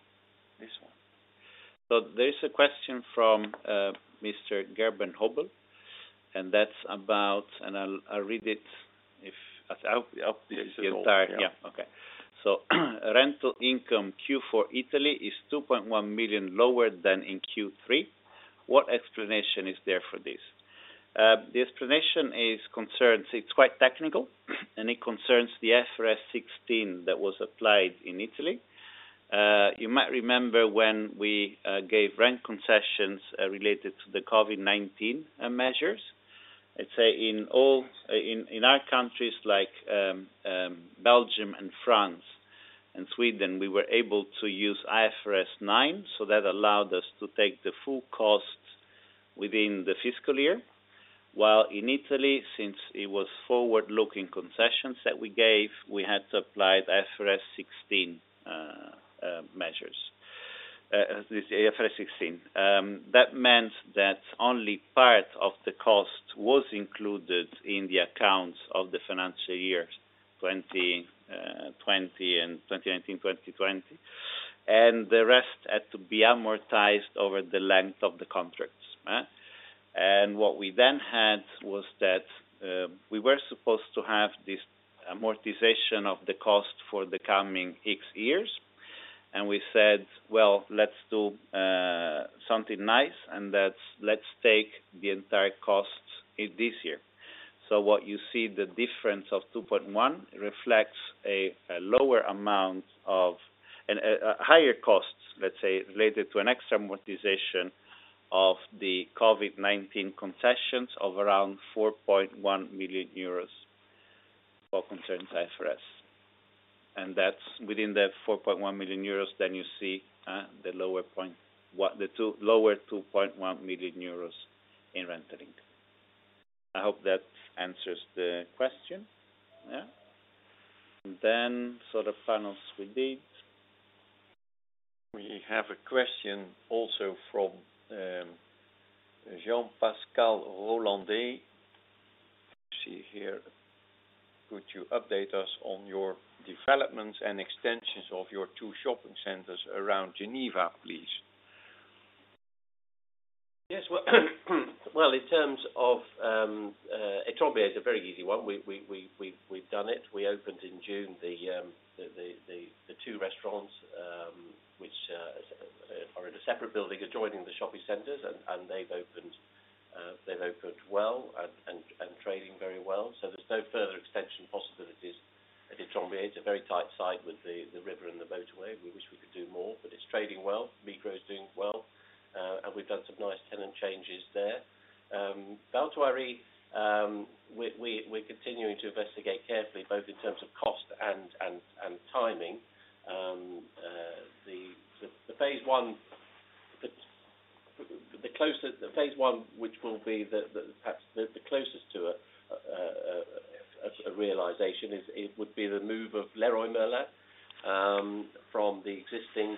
This one. There is a question from Mr. Gerben Hobbel, and that's about—I'll read the entire— Yes, yes. Rental income Q4 Italy is 2.1 million lower than in Q3. What explanation is there for this? The explanation is concerns, it's quite technical, and it concerns the IFRS 16 that was applied in Italy. You might remember when we gave rent concessions related to the COVID-19 measures. In our countries like Belgium and France and Sweden, we were able to use IFRS 9, that allowed us to take the full cost within the fiscal year. While in Italy, since it was forward-looking concessions that we gave, we had to apply the IFRS 16 measures. This IFRS 16. That meant that only part of the cost was included in the accounts of the financial year 2020 and 2019, 2020. The rest had to be amortized over the length of the contracts. What we then had was that we were supposed to have this amortization of the cost for the coming X years. We said, "Well, let's do something nice, and that's let's take the entire cost in this year." What you see, the difference of 2.1 reflects a lower amount of a higher cost, let's say, related to an extra amortization of the COVID-19 concessions of around 4.1 million euros for concerns IFRS. That's within that 4.1 million euros, you see the lower point, lower 2.1 million euros in rentering. I hope that answers the question. Yeah. Sort of final sweet date. We have a question also from Jean-Pascal Rolland. Here could you update us on your developments and extensions of your two shopping centers around Geneva, please? Yes. Well, in terms of Etrembières is a very easy one. We've done it. We opened in June, the two restaurants which are in a separate building adjoining the shopping centers. They've opened well and trading very well. There's no further extension possibilities at Etrembières. It's a very tight site with the river and the motorway. We wish we could do more, but it's trading well. Migros is doing well and we've done some nice tenant changes there. Balexert, we're continuing to investigate carefully, both in terms of cost and timing. The phase one, which will be the perhaps the closest to a realization is it would be the move of Leroy Merlin from the existing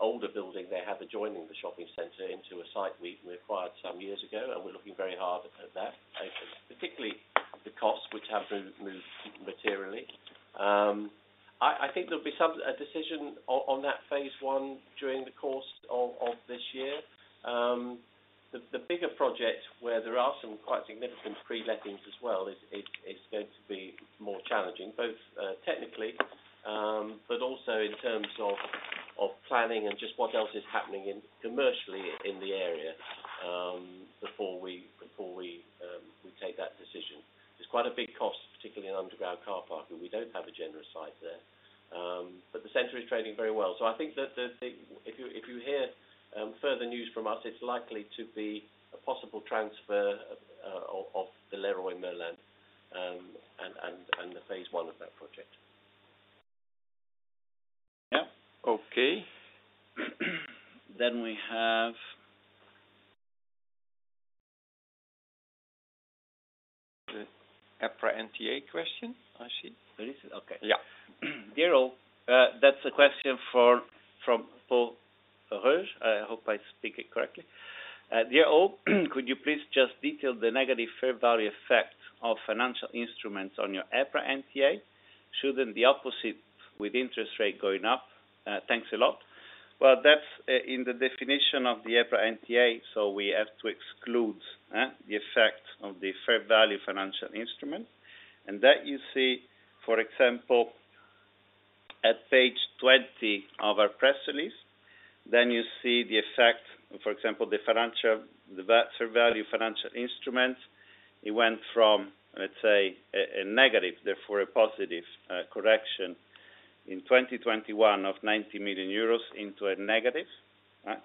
older building they have adjoining the shopping center into a site we acquired some years ago, and we're looking very hard at that. Particularly the costs which have moved materially. I think there'll be a decision on that phase one during the course of this year. The bigger project where there are some quite significant prelettings as well is going to be more challenging, both technically, but also in terms of planning and just what else is happening in commercially in the area before we take that decision. There's quite a big cost, particularly in underground car park, and we don't have a generous site there. The center is trading very well. I think that if you hear further news from us, it's likely to be a possible transfer of the Leroy Merlin, and the phase one of that project. Yeah. Okay. We have the EPRA NTA question. I see. Where is it? Okay. Yeah. Gero, that's a question from Paul Arkwright. I hope I speak it correctly. Gero, could you please just detail the negative fair value effect of financial instruments on your EPRA NTA? Shouldn't the opposite with interest rate going up? Thanks a lot. Well, that's in the definition of the EPRA NTA, we have to exclude the effect of the fair value financial instrument. That you see, for example, at Page 20 of our press release. You see the effect, for example, the fair value financial instrument. It went from, let's say, a negative, therefore a positive correction in 2021 of 90 million euros into a negative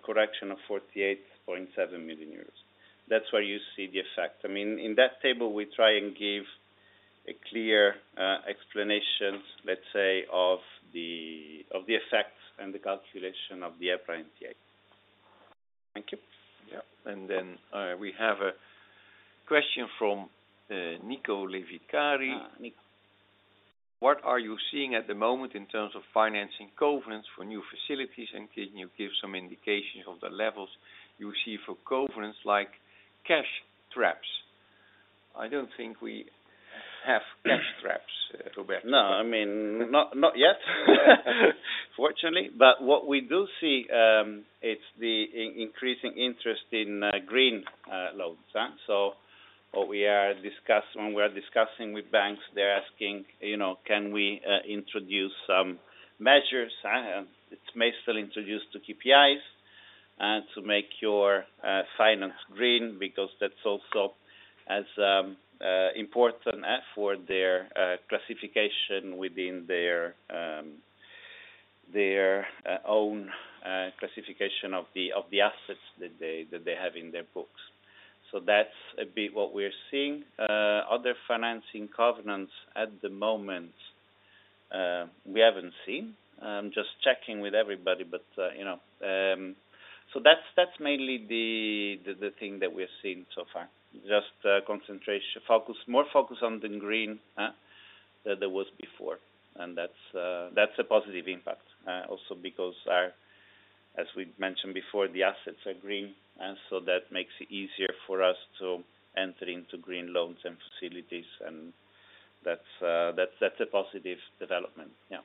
correction of 48.7 million euros. That's where you see the effect. I mean, in that table, we try and give a clear explanation, let's say, of the effects and the calculation of the EPRA NTA. Thank you. Yeah. Then, we have a question from Niko Levikari. Niko. What are you seeing at the moment in terms of financing covenants for new facilities? Can you give some indications of the levels you see for covenants like cash traps? I don't think we have cash traps, Roberto. No, I mean, not yet. Fortunately. What we do see, it's the increasing interest in green loans. When we are discussing with banks they're asking, you know, can we introduce some measures, it may still introduce to KPIs, to make your finance green because that's also as important for their classification within their own classification of the assets that they, that they have in their books. That's a bit what we're seeing. Other financing covenants at the moment, we haven't seen. I'm just checking with everybody, you know. That's, that's mainly the thing that we're seeing so far. Just focus, more focus on the green than there was before. That's a positive impact, also because our, as we mentioned before, the assets are green. That makes it easier for us to enter into green loans and facilities, and that's a positive development. Yeah.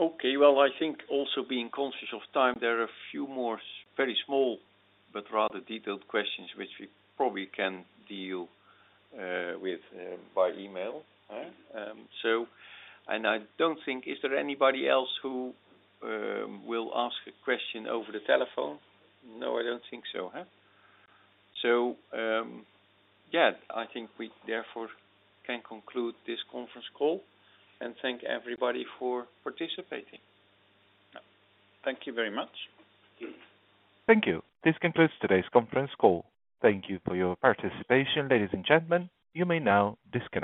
Okay. Well, I think also being conscious of time, there are a few more very small but rather detailed questions which we probably can deal with by email. Is there anybody else who will ask a question over the telephone? No, I don't think so, huh? Yeah, I think we therefore can conclude this conference call, and thank everybody for participating. Yeah. Thank you very much. Thank you. This concludes today's conference call. Thank you for your participation. Ladies and gentlemen, you may now disconnect.